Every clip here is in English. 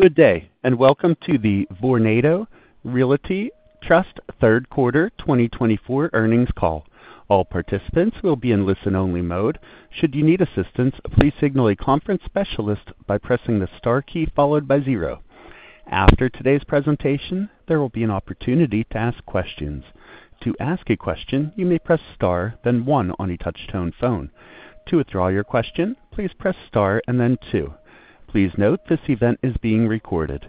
Good day, and welcome to the Vornado Realty Trust third quarter 2024 earnings call. All participants will be in listen-only mode. Should you need assistance, please signal a conference specialist by pressing the star key followed by zero. After today's presentation, there will be an opportunity to ask questions. To ask a question, you may press star, then one on a touchtone phone. To withdraw your question, please press star and then two. Please note this event is being recorded.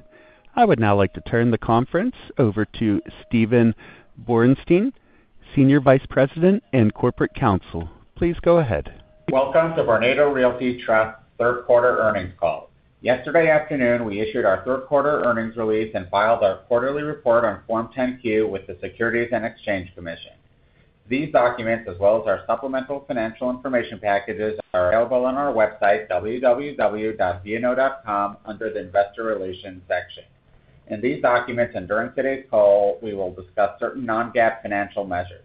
I would now like to turn the conference over to Steven Borenstein, Senior Vice President and Corporate Counsel. Please go ahead. Welcome to Vornado Realty Trust third quarter earnings call. Yesterday afternoon, we issued our third quarter earnings release and filed our quarterly report on Form 10-Q with the Securities and Exchange Commission. These documents, as well as our supplemental financial information packages, are available on our website, www.vno.com, under the Investor Relations section. In these documents and during today's call, we will discuss certain non-GAAP financial measures.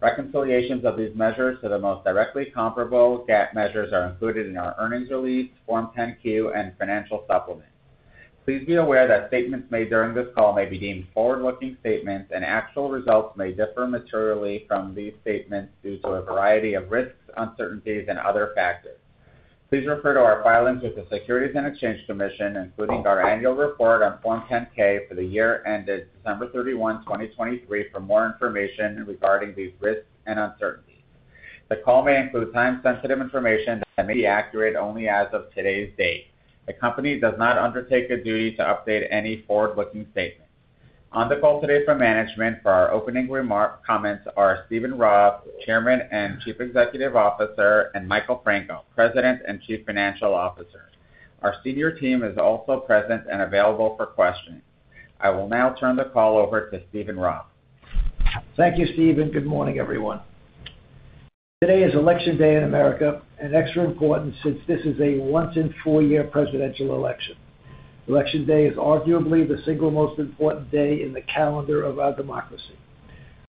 Reconciliations of these measures to the most directly comparable GAAP measures are included in our earnings release, Form 10-Q, and financial supplements. Please be aware that statements made during this call may be deemed forward-looking statements, and actual results may differ materially from these statements due to a variety of risks, uncertainties, and other factors. Please refer to our filings with the Securities and Exchange Commission, including our annual report on Form 10-K for the year ended December 31, 2023, for more information regarding these risks and uncertainties. The call may include time-sensitive information that may be accurate only as of today's date. The company does not undertake a duty to update any forward-looking statements. On the call today for management, for our opening remarks, comments are Steven Roth, Chairman and Chief Executive Officer, and Michael Franco, President and Chief Financial Officer. Our senior team is also present and available for questions. I will now turn the call over to Steven Roth. Thank you, Steven. Good morning, everyone. Today is Election Day in America, and extra important since this is a once-in-four-year presidential election. Election Day is arguably the single most important day in the calendar of our democracy.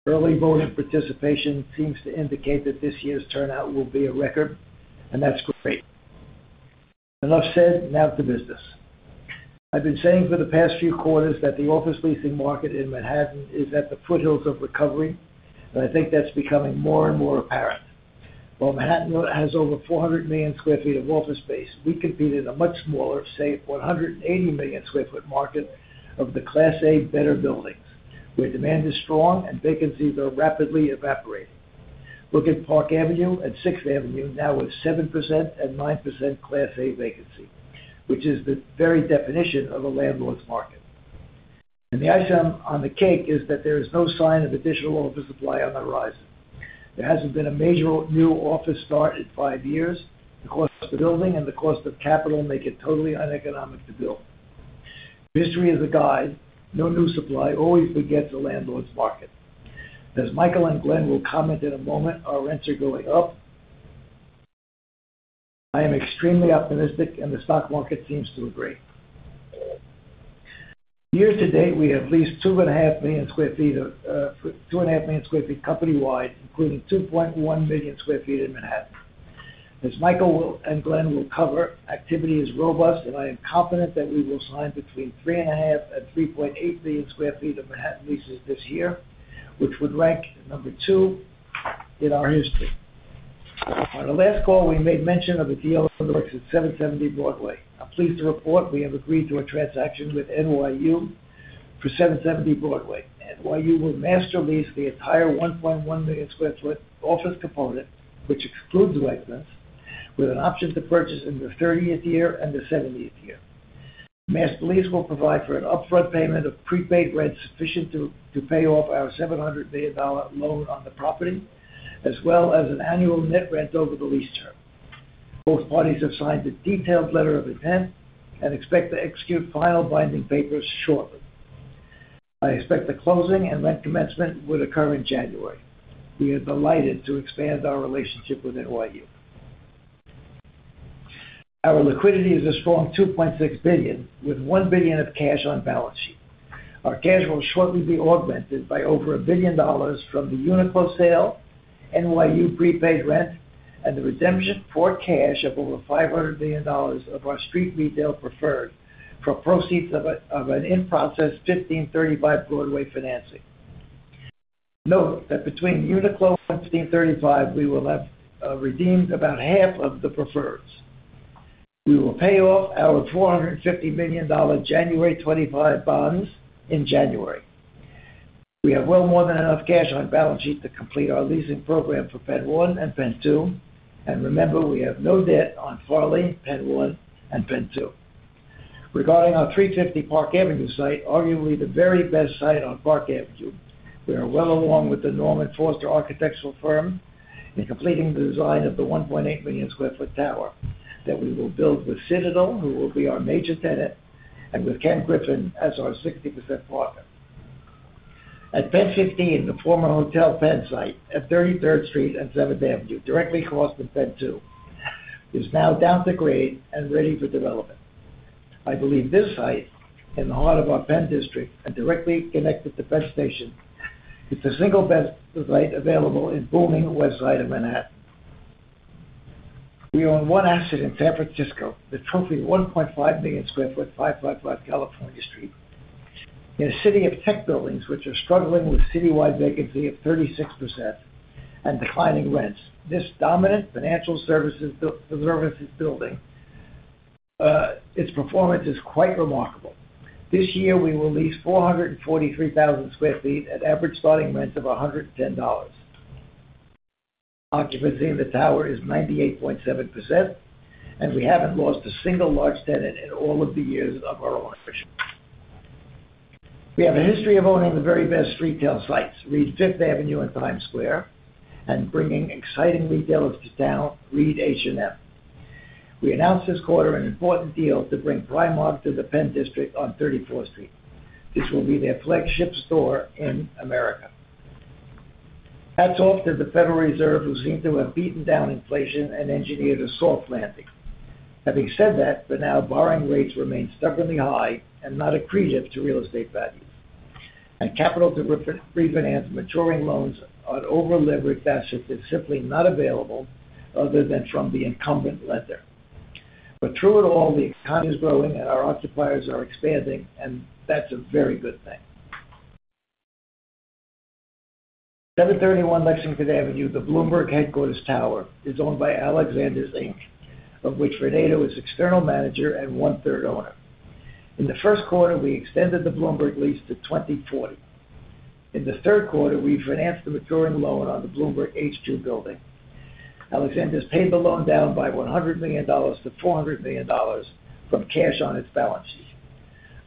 Early voter participation seems to indicate that this year's turnout will be a record, and that's great. Enough said, now to business. I've been saying for the past few quarters that the office leasing market in Manhattan is at the foothills of recovery, and I think that's becoming more and more apparent. While Manhattan has over 400 million sq ft of office space, we compete in a much smaller, say, 180 million sq ft market of the Class A better buildings, where demand is strong and vacancies are rapidly evaporating. Look at Park Avenue and Sixth Avenue, now with 7% and 9% Class A vacancy, which is the very definition of a landlord's market, and the icing on the cake is that there is no sign of additional office supply on the horizon. There hasn't been a major new office start in five years. The cost of the building and the cost of capital make it totally uneconomic to build. History is a guide. No new supply always begets a landlord's market. As Michael and Glen will comment in a moment, our rents are going up. I am extremely optimistic, and the stock market seems to agree. Year to date, we have leased 2.5 million sq ft company-wide, including 2.1 million sq ft in Manhattan. As Michael and Glen will cover, activity is robust, and I am confident that we will sign between 3.5 and 3.8 million sq ft of Manhattan leases this year, which would rank number two in our history. On our last call, we made mention of a deal on the likes of 770 Broadway. I'm pleased to report we have agreed to a transaction with NYU for 770 Broadway. NYU will master lease the entire 1.1 million sq ft office component, which excludes retail, with an option to purchase in the 30th year and the 70th year. Master lease will provide for an upfront payment of prepaid rent sufficient to pay off our $700 million loan on the property, as well as an annual net rent over the lease term. Both parties have signed a detailed letter of intent and expect to execute final binding papers shortly. I expect the closing and rent commencement would occur in January. We are delighted to expand our relationship with NYU. Our liquidity is a strong $2.6 billion, with $1 billion of cash on balance sheet. Our cash will shortly be augmented by over $1 billion from the UNIQLO sale, NYU prepaid rent, and the redemption for cash of over $500 million of our street retail preferred for proceeds of an in-process 1535 Broadway financing. Note that between UNIQLO and 1535, we will have redeemed about half of the preferred. We will pay off our $450 million January 25 bonds in January. We have well more than enough cash on balance sheet to complete our leasing program for PENN 1 and PENN 2, and remember, we have no debt on Farley, PENN 1, and PENN 2. Regarding our 350 Park Avenue site, arguably the very best site on Park Avenue, we are well along with the Norman Foster architectural firm in completing the design of the 1.8 million sq ft tower that we will build with Citadel, who will be our major tenant, and with Ken Griffin as our 60% partner. At Penn 15, the former Hotel Penn site at 33rd Street and Seventh Avenue, directly across from PENN 2, is now down to grade and ready for development. I believe this site, in the heart of our PENN District and directly connected to PENN Station, is the single best site available in booming west side of Manhattan. We own one asset in San Francisco, the trophy 1.5 million sq ft 555 California Street. In a city of tech buildings which are struggling with citywide vacancy of 36% and declining rents, this dominant financial services building's performance is quite remarkable. This year, we will lease 443,000 sq ft at average starting rents of $110. Occupancy in the tower is 98.7%, and we haven't lost a single large tenant in all of the years of our ownership. We have a history of owning the very best retail sites, our Fifth Avenue and Times Square, and bringing exciting retailers to town, our H&M. We announced this quarter an important deal to bring Primark to the PENN District on 34th Street. This will be their flagship store in America. Hats off to the Federal Reserve, who seem to have beaten down inflation and engineered a soft landing. Having said that, for now, borrowing rates remain stubbornly high and not accretive to real estate values. Capital to refinance maturing loans on over-leveraged assets is simply not available other than from the incumbent lender. Through it all, the economy is growing and our occupiers are expanding, and that's a very good thing. 731 Lexington Avenue, the Bloomberg headquarters tower, is owned by Alexander's Inc, of which Vornado is external manager and one-third owner. In the first quarter, we extended the Bloomberg lease to 2040. In the third quarter, we financed the maturing loan on the Bloomberg HQ building. Alexander's paid the loan down by $100 million to $400 million from cash on its balance sheet.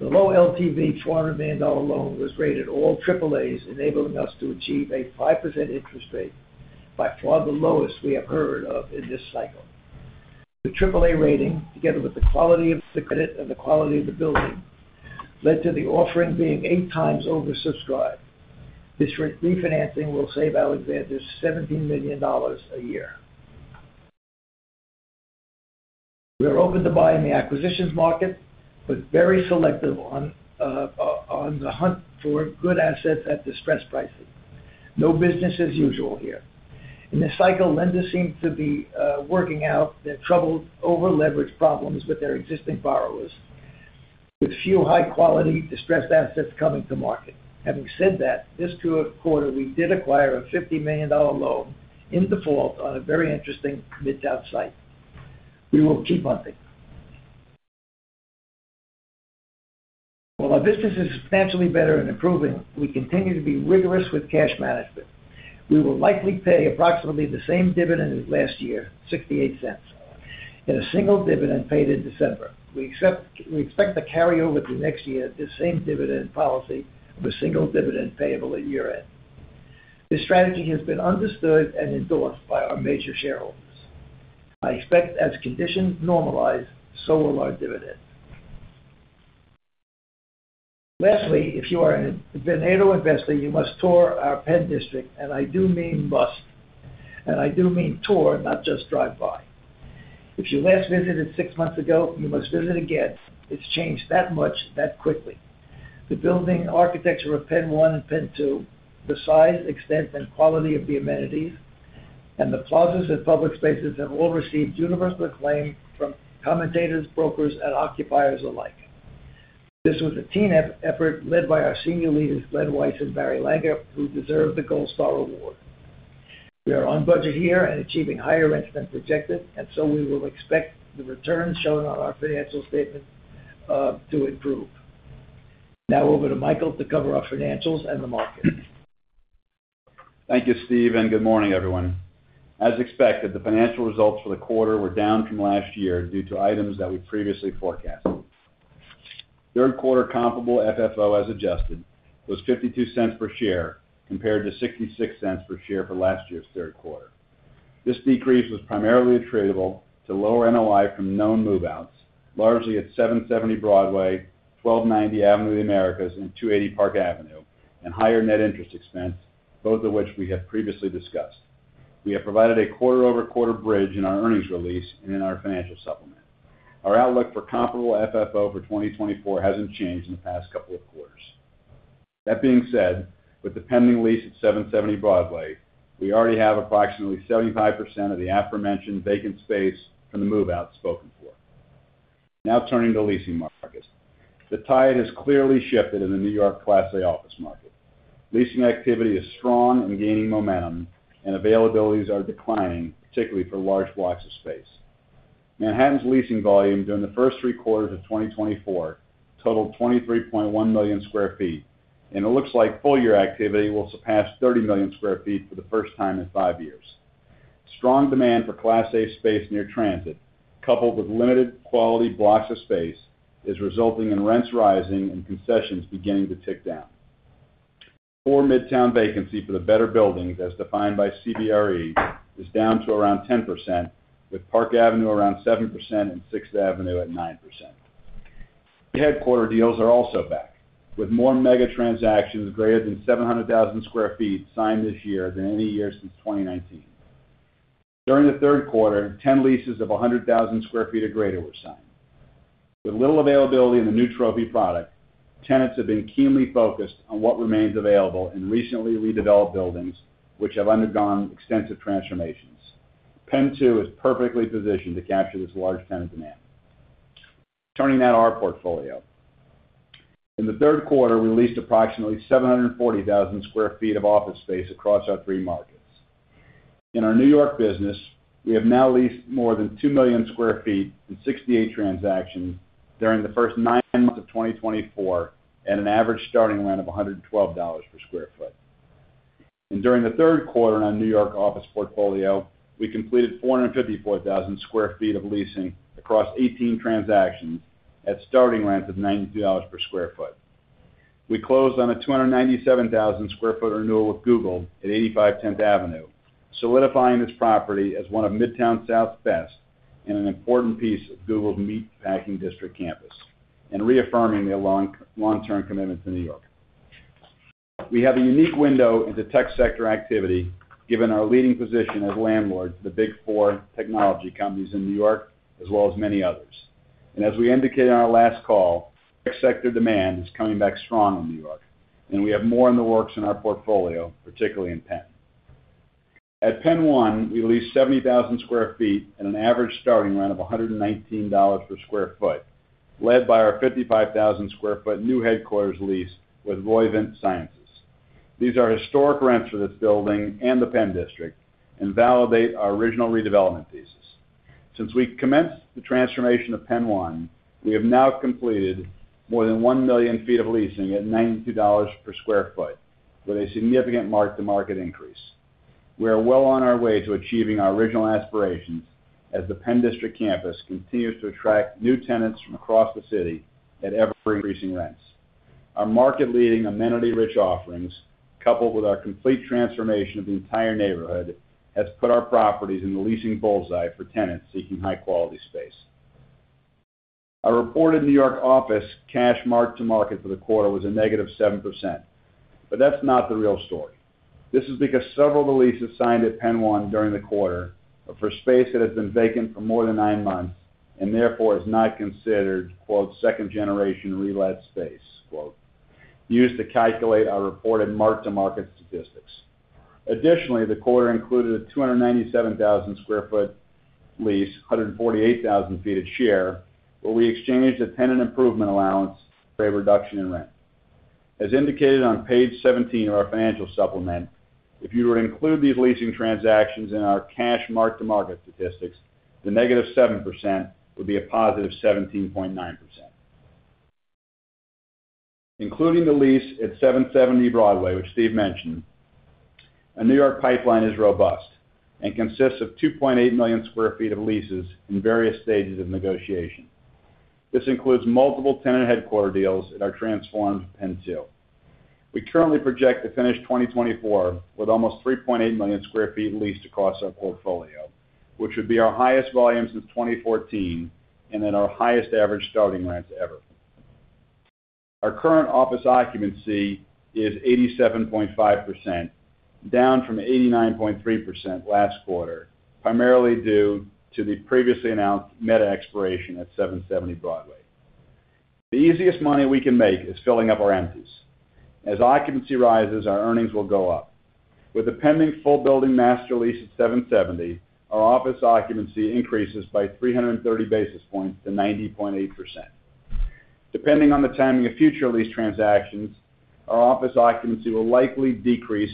The low LTV $400 million loan was rated all AAAs, enabling us to achieve a 5% interest rate by far the lowest we have heard of in this cycle. The AAA rating, together with the quality of the credit and the quality of the building, led to the offering being eight times oversubscribed. This refinancing will save Alexander's $17 million a year. We are open to buying in the acquisition market, but very selective on the hunt for good assets at distressed pricing. No business as usual here. In this cycle, lenders seem to be working out their troubled over-leveraged problems with their existing borrowers, with few high-quality distressed assets coming to market. Having said that, in this quarter, we did acquire a $50 million loan in default on a very interesting midtown site. We will keep hunting. While our business is substantially better and improving, we continue to be rigorous with cash management. We will likely pay approximately the same dividend as last year, $0.68, in a single dividend paid in December. We expect to carry over to next year the same dividend policy with single dividend payable at year-end. This strategy has been understood and endorsed by our major shareholders. I expect as conditions normalize, so will our dividends. Lastly, if you are a Vornado investor, you must tour our PENN District, and I do mean must, and I do mean tour, not just drive by. If you last visited six months ago, you must visit again. It's changed that much, that quickly. The building, architecture of PENN 1 and PENN 2, the size, extent, and quality of the amenities, and the plazas and public spaces have all received universal acclaim from commentators, brokers, and occupiers alike. This was a team effort led by our senior leaders, Glen Weiss and Barry Langer, who deserve the Gold Star Award. We are on budget here and achieving higher rents than projected, and so we will expect the returns shown on our financial statements to improve. Now over to Michael to cover our financials and the market. Thank you, Steve, and good morning, everyone. As expected, the financial results for the quarter were down from last year due to items that we previously forecast. Third quarter comparable FFO as adjusted was $0.52 per share compared to $0.66 per share for last year's third quarter. This decrease was primarily attributable to lower NOI from known move-outs, largely at 770 Broadway, 1290 Avenue of the Americas, and 280 Park Avenue, and higher net interest expense, both of which we have previously discussed. We have provided a quarter-over-quarter bridge in our earnings release and in our financial supplement. Our outlook for comparable FFO for 2024 hasn't changed in the past couple of quarters. That being said, with the pending lease at 770 Broadway, we already have approximately 75% of the aforementioned vacant space from the move-outs spoken for. Now turning to leasing markets. The tide has clearly shifted in the New York Class A office market. Leasing activity is strong and gaining momentum, and availabilities are declining, particularly for large blocks of space. Manhattan's leasing volume during the first three quarters of 2024 totaled 23.1 million sq ft, and it looks like full-year activity will surpass 30 million sq ft for the first time in five years. Strong demand for Class A space near transit, coupled with limited quality blocks of space, is resulting in rents rising and concessions beginning to tick down. Core midtown vacancy for the better buildings, as defined by CBRE, is down to around 10%, with Park Avenue around 7% and Sixth Avenue at 9%. Headquarter deals are also back, with more mega transactions greater than 700,000 sq ft signed this year than any year since 2019. During the third quarter, 10 leases of 100,000 sq ft or greater were signed. With little availability in the new trophy product, tenants have been keenly focused on what remains available in recently redeveloped buildings, which have undergone extensive transformations. PENN 2 is perfectly positioned to capture this large tenant demand. Turning now to our portfolio. In the third quarter, we leased approximately 740,000 sq ft of office space across our three markets. In our New York business, we have now leased more than 2 million sq ft in 68 transactions during the first nine months of 2024 at an average starting rent of $112 per sq ft, and during the third quarter in our New York office portfolio, we completed 454,000 sq ft of leasing across 18 transactions at starting rents of $92 per sq ft. We closed on a 297,000 sq ft renewal with Google at 85 Tenth Avenue, solidifying this property as one of Midtown South's best and an important piece of Google's Meatpacking District campus, and reaffirming the long-term commitment to New York. We have a unique window into tech sector activity, given our leading position as landlords to the big four technology companies in New York, as well as many others. And as we indicated on our last call, tech sector demand is coming back strong in New York, and we have more in the works in our portfolio, particularly in PENN. At PENN 1, we leased 70,000 sq ft at an average starting rent of $119 per sq ft, led by our 55,000 sq ft new headquarters lease with Roivant Sciences. These are historic rents for this building and the PENN District and validate our original redevelopment thesis. Since we commenced the transformation of PENN 1, we have now completed more than one million feet of leasing at $92 per sq ft, with a significant mark-to-market increase. We are well on our way to achieving our original aspirations as the PENN District campus continues to attract new tenants from across the city at ever-increasing rents. Our market-leading amenity-rich offerings, coupled with our complete transformation of the entire neighborhood, have put our properties in the leasing bullseye for tenants seeking high-quality space. Our reported New York office cash mark-to-market for the quarter was a -7%, but that's not the real story. This is because several of the leases signed at PENN 1 during the quarter are for space that has been vacant for more than nine months and therefore is not considered "second generation relit space" used to calculate our reported mark-to-market statistics. Additionally, the quarter included a 297,000 sq ft lease, 148,000 sq ft of space, where we exchanged a tenant improvement allowance. A reduction in rent. As indicated on page 17 of our financial supplement, if you were to include these leasing transactions in our cash mark-to-market statistics, the -7% would be a +17.9%. Including the lease at 770 Broadway, which Steve mentioned, a New York pipeline is robust and consists of 2.8 million sq ft of leases in various stages of negotiation. This includes multiple tenant headquarters deals that are transformed to PENN 2. We currently project to finish 2024 with almost 3.8 million sq ft leased across our portfolio, which would be our highest volume since 2014 and then our highest average starting rents ever. Our current office occupancy is 87.5%, down from 89.3% last quarter, primarily due to the previously announced Meta expiration at 770 Broadway. The easiest money we can make is filling up our empties. As occupancy rises, our earnings will go up. With the pending full building master lease at 770, our office occupancy increases by 330 basis points to 90.8%. Depending on the timing of future lease transactions, our office occupancy will likely decrease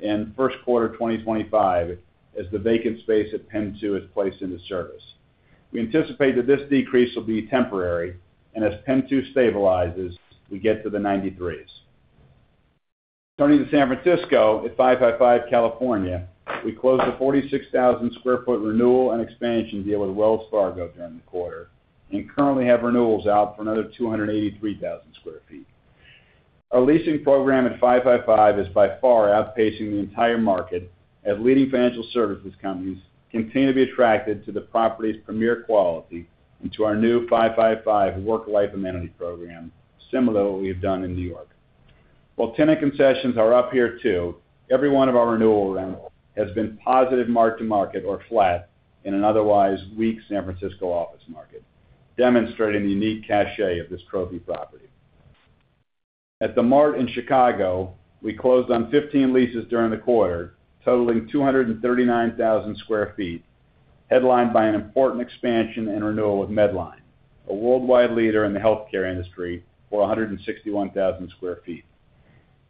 in first quarter 2025 as the vacant space at PENN 2 is placed into service. We anticipate that this decrease will be temporary, and as PENN 2 stabilizes, we get to the 93s. Turning to San Francisco at 555 California, we closed a 46,000 sq ft renewal and expansion deal with Wells Fargo during the quarter and currently have renewals out for another 283,000 sq ft. Our leasing program at 555 is by far outpacing the entire market as leading financial services companies continue to be attracted to the property's premier quality and to our new 555 WorkLife amenity program, similar to what we have done in New York. While tenant concessions are up here too, every one of our renewal rents has been positive mark-to-market or flat in an otherwise weak San Francisco office market, demonstrating the unique cachet of this trophy property. At The Mart in Chicago, we closed on 15 leases during the quarter, totaling 239,000 sq ft, headlined by an important expansion and renewal with Medline, a worldwide leader in the healthcare industry for 161,000 sq ft.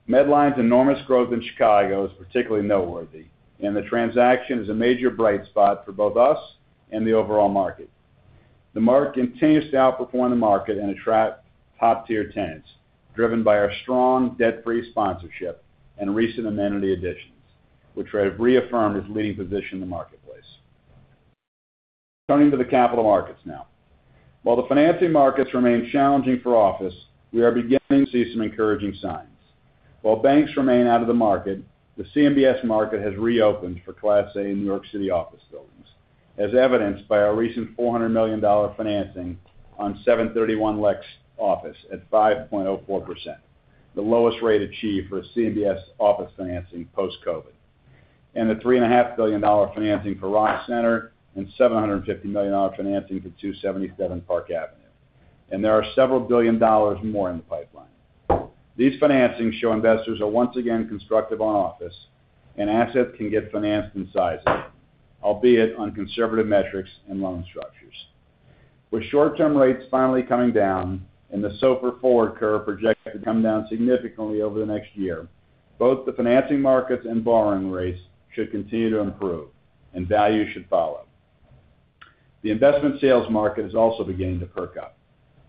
Medline's enormous growth in Chicago is particularly noteworthy, and the transaction is a major bright spot for both us and the overall market. The Mart continues to outperform the market and attract top-tier tenants, driven by our strong debt-free sponsorship and recent amenity additions, which have reaffirmed its leading position in the marketplace. Turning to the capital markets now. While the financing markets remain challenging for office, we are beginning to see some encouraging signs. While banks remain out of the market, the CMBS market has reopened for Class A New York City office buildings, as evidenced by our recent $400 million financing on 731 Lex office at 5.04%, the lowest rate achieved for CMBS office financing post-COVID, and the $3.5 billion financing for Rock Center and $750 million financing for 277 Park Avenue, and there are several billion dollars more in the pipeline. These financings show investors are once again constructive on office, and assets can get financed in sizing, albeit on conservative metrics and loan structures. With short-term rates finally coming down and the SOFR forward curve projected to come down significantly over the next year, both the financing markets and borrowing rates should continue to improve, and values should follow. The investment sales market has also begun to perk up.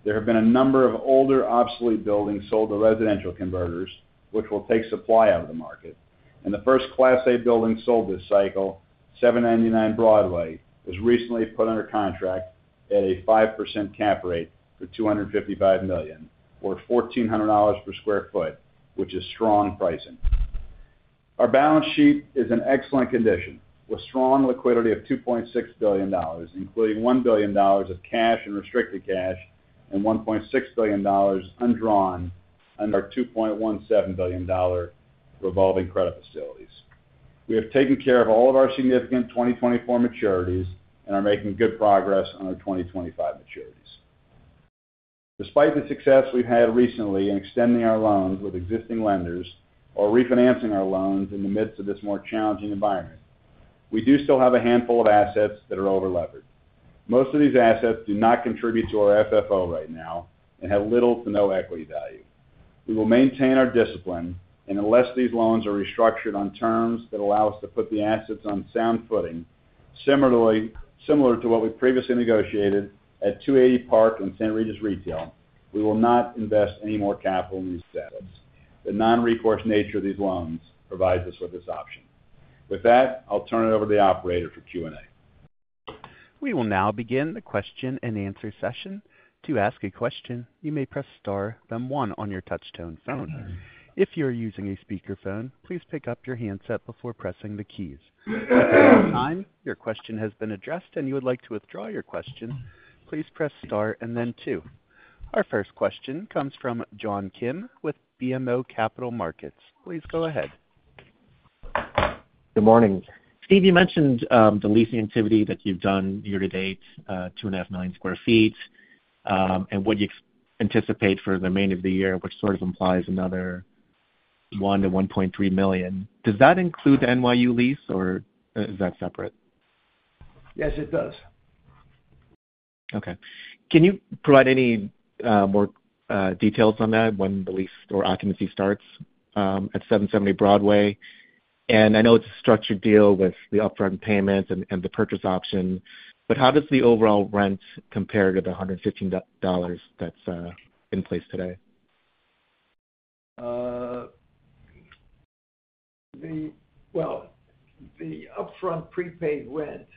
There have been a number of older obsolete buildings sold to residential converters, which will take supply out of the market. The first Class A building sold this cycle, 799 Broadway, was recently put under contract at a 5% cap rate for $255 million, or $1,400 per sq ft, which is strong pricing. Our balance sheet is in excellent condition, with strong liquidity of $2.6 billion, including $1 billion of cash and restricted cash and $1.6 billion undrawn under our $2.17 billion revolving credit facilities. We have taken care of all of our significant 2024 maturities and are making good progress on our 2025 maturities. Despite the success we've had recently in extending our loans with existing lenders or refinancing our loans in the midst of this more challenging environment, we do still have a handful of assets that are overleveraged. Most of these assets do not contribute to our FFO right now and have little to no equity value. We will maintain our discipline, and unless these loans are restructured on terms that allow us to put the assets on sound footing, similar to what we previously negotiated at 280 Park and St. Regis Retail, we will not invest any more capital in these assets. The non-recourse nature of these loans provides us with this option. With that, I'll turn it over to the Operator for Q&A. We will now begin the question-and-answer session. To ask a question, you may press star, then one on your touchtone phone. If you are using a speakerphone, please pick up your handset before pressing the keys. At this time, your question has been addressed, and you would like to withdraw your question. Please press star and then two. Our first question comes from John Kim with BMO Capital Markets. Please go ahead. Good morning. Steve, you mentioned the leasing activity that you've done year to date, 2.5 million sq ft, and what you anticipate for the remainder of the year, which sort of implies another 1 million or 1.3 million. Does that include the NYU lease, or is that separate? Yes, it does. Okay. Can you provide any more details on that when the lease or occupancy starts at 770 Broadway? And I know it's a structured deal with the upfront payment and the purchase option, but how does the overall rent compare to the $115 that's in place today? The upfront prepaid rent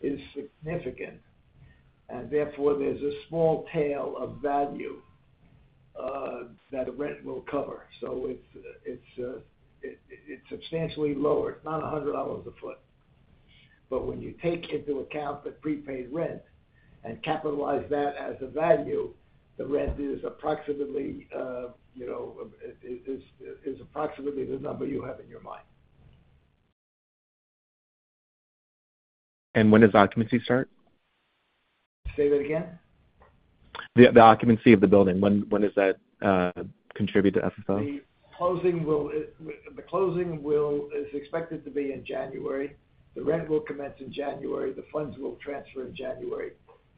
is significant, and therefore there's a small tail of value that the rent will cover. It's substantially lower, not $100 a foot. When you take into account the prepaid rent and capitalize that as a value, the rent is approximately the number you have in your mind. When does occupancy start? Say that again? The occupancy of the building, when does that contribute to FFO? The closing is expected to be in January. The rent will commence in January. The funds will transfer in January.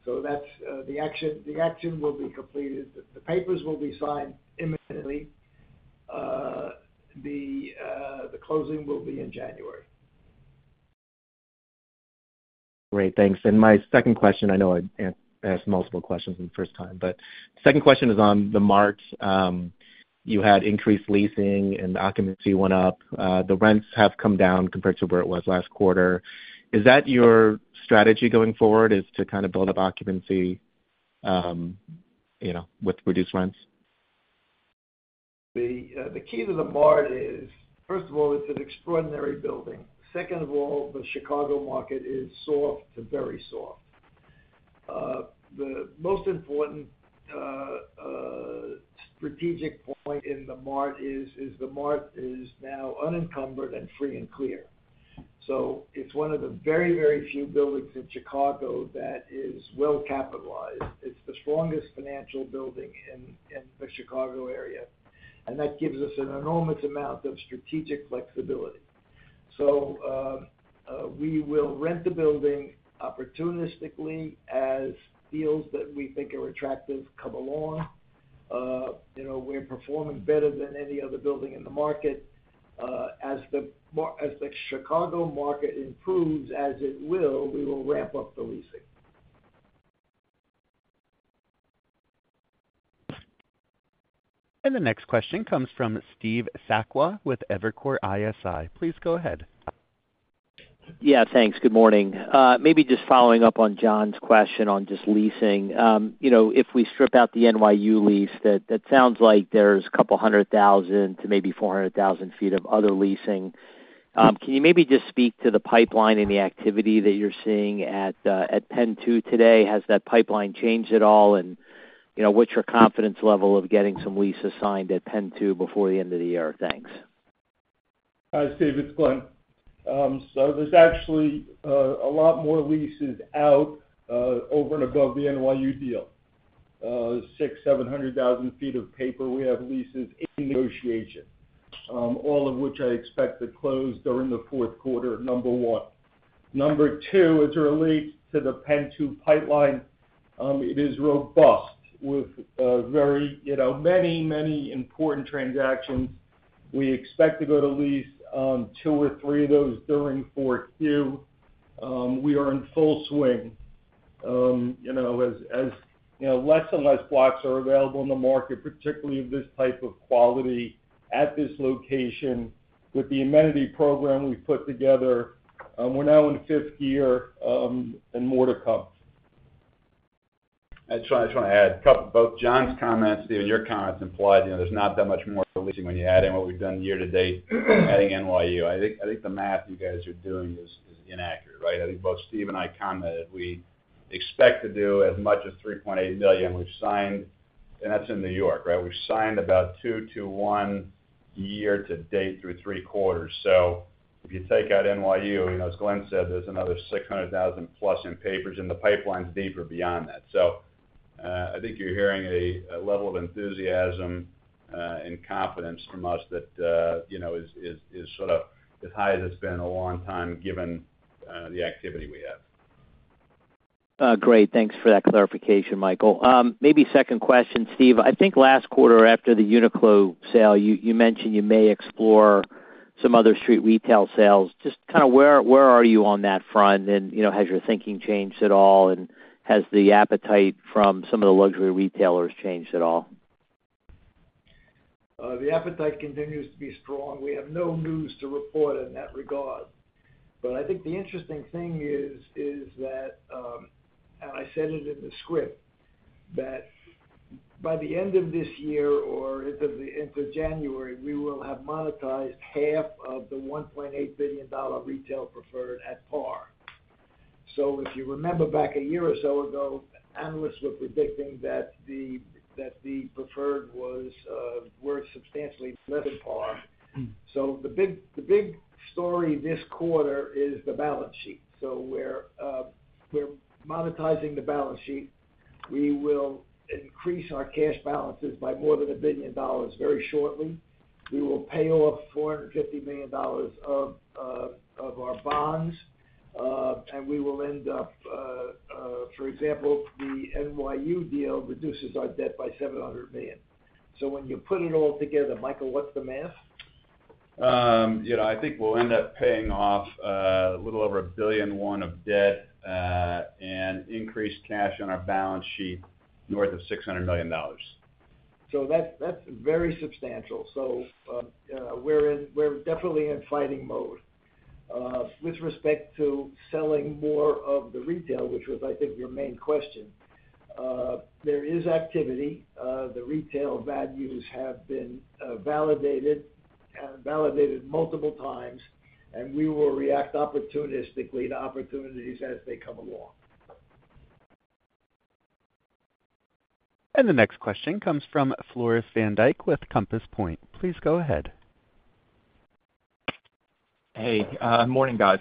So the action will be completed. The papers will be signed imminently. The closing will be in January. Great. Thanks. And my second question, I know I asked multiple questions the first time, but the second question is on The Mart. You had increased leasing, and the occupancy went up. The rents have come down compared to where it was last quarter. Is that your strategy going forward, is to kind of build up occupancy with reduced rents? The key to The Mart is, first of all, it's an extraordinary building. Second of all, the Chicago market is soft to very soft. The most important strategic point in The Mart is now unencumbered and free and clear, so it's one of the very, very few buildings in Chicago that is well capitalized. It's the strongest financial building in the Chicago area, and that gives us an enormous amount of strategic flexibility, so we will rent the building opportunistically as deals that we think are attractive come along. We're performing better than any other building in the market. As the Chicago market improves as it will, we will ramp up the leasing. The next question comes from Steve Sakwa with Evercore ISI. Please go ahead. Yeah, thanks. Good morning. Maybe just following up on John's question on just leasing. If we strip out the NYU lease, that sounds like there's a couple hundred thousand to maybe 400,000 sq ft of other leasing. Can you maybe just speak to the pipeline and the activity that you're seeing at PENN 2 today? Has that pipeline changed at all? And what's your confidence level of getting some lease assigned at PENN 2 before the end of the year? Thanks. Hi, Steve. It's Glen. So there's actually a lot more leases out over and above the NYU deal. 6.7 million ft of paper we have leases in negotiation, all of which I expect to close during the fourth quarter, number one. Number two, as it relates to the PENN 2 pipeline, it is robust with very many, many important transactions. We expect to go to lease two or three of those during fourth year. We are in full swing as less and less blocks are available in the market, particularly of this type of quality at this location. With the amenity program we've put together, we're now in fifth year and more to come. I just want to add both John's comments, Steve, and your comments implied there's not that much more leasing when you add in what we've done year to date adding NYU. I think the math you guys are doing is inaccurate, right? I think both Steve and I commented we expect to do as much as 3.8 million. We've signed, and that's in New York, right? We've signed about 2.1 million year-to-date through three quarters. So if you take out NYU, as Glen said, there's another 600,000 plus in papers and the pipeline's deeper beyond that. So I think you're hearing a level of enthusiasm and confidence from us that is sort of as high as it's been in a long time given the activity we have. Great. Thanks for that clarification, Michael. Maybe second question, Steve. I think last quarter after the UNIQLO sale, you mentioned you may explore some other street retail sales. Just kind of where are you on that front, and has your thinking changed at all, and has the appetite from some of the luxury retailers changed at all? The appetite continues to be strong. We have no news to report in that regard. But I think the interesting thing is that, and I said it in the script, that by the end of this year or into January, we will have monetized $900 million of the $1.8 billion retail preferred at par. So if you remember back a year or so ago, analysts were predicting that the preferred was worth substantially less than par. So the big story this quarter is the balance sheet. So we're monetizing the balance sheet. We will increase our cash balances by more than $1 billion very shortly. We will pay off $450 million of our bonds, and we will end up, for example, the NYU deal reduces our debt by $700 million. So when you put it all together, Michael, what's the math? I think we'll end up paying off a little over $1.1 billion of debt and increased cash on our balance sheet north of $600 million. So that's very substantial. So we're definitely in fighting mode. With respect to selling more of the retail, which was, I think, your main question, there is activity. The retail values have been validated multiple times, and we will react opportunistically to opportunities as they come along. The next question comes from Floris van Dijkum with Compass Point. Please go ahead. Hey. Morning, guys.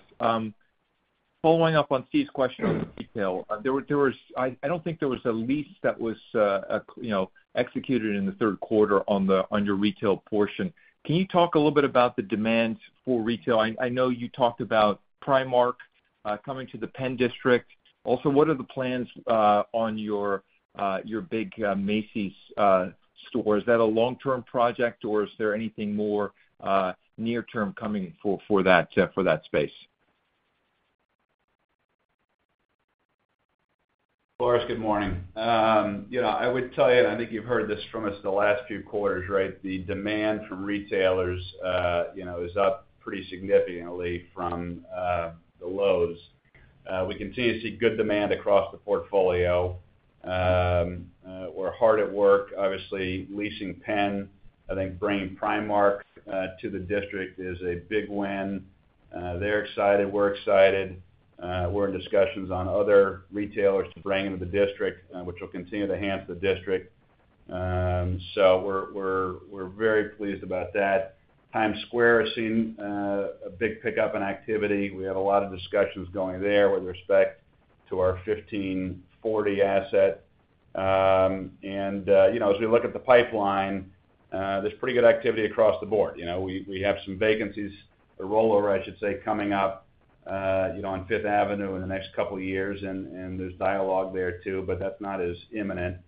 Following up on Steve's question on retail, I don't think there was a lease that was executed in the third quarter on your retail portion. Can you talk a little bit about the demand for retail? I know you talked about Primark coming to the PENN District. Also, what are the plans on your big Macy's store? Is that a long-term project, or is there anything more near-term coming for that space? Floris, good morning. I would tell you, and I think you've heard this from us the last few quarters, right? The demand from retailers is up pretty significantly from the lows. We continue to see good demand across the portfolio. We're hard at work, obviously, leasing PENN. I think bringing Primark to the district is a big win. They're excited. We're excited. We're in discussions on other retailers to bring into the district, which will continue to enhance the district. So we're very pleased about that. Times Square has seen a big pickup in activity. We have a lot of discussions going there with respect to our 1540 asset. And as we look at the pipeline, there's pretty good activity across the board. We have some vacancies, a rollover, I should say, coming up on Fifth Avenue in the next couple of years, and there's dialogue there too, but that's not as imminent.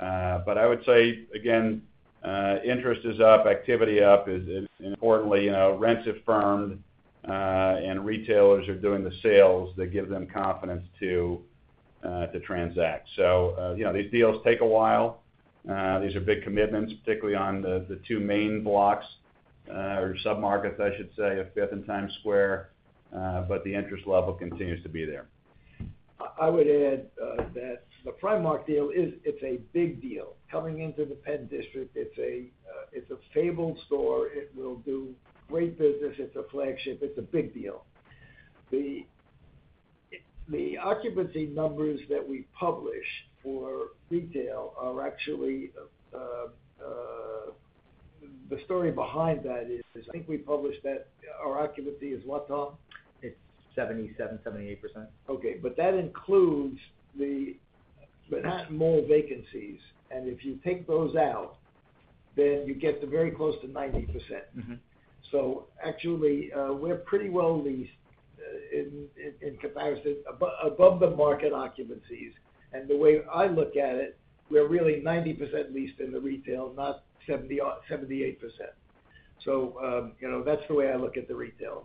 But I would say, again, interest is up, activity up, and importantly, rents have firmed, and retailers are doing the sales that give them confidence to transact. So these deals take a while. These are big commitments, particularly on the two main blocks or sub-markets, I should say, of Fifth and Times Square, but the interest level continues to be there. I would add that the Primark deal, it's a big deal. Coming into the PENN District, it's a fabled store. It will do great business. It's a flagship. It's a big deal. The occupancy numbers that we publish for retail are actually. The story behind that is, I think, we published that our occupancy is what? It's 77%, 78%. Okay. But that includes the mall vacancies. And if you take those out, then you get very close to 90%. So actually, we're pretty well leased in comparison above the market occupancies. And the way I look at it, we're really 90% leased in the retail, not 78%. So that's the way I look at the retail.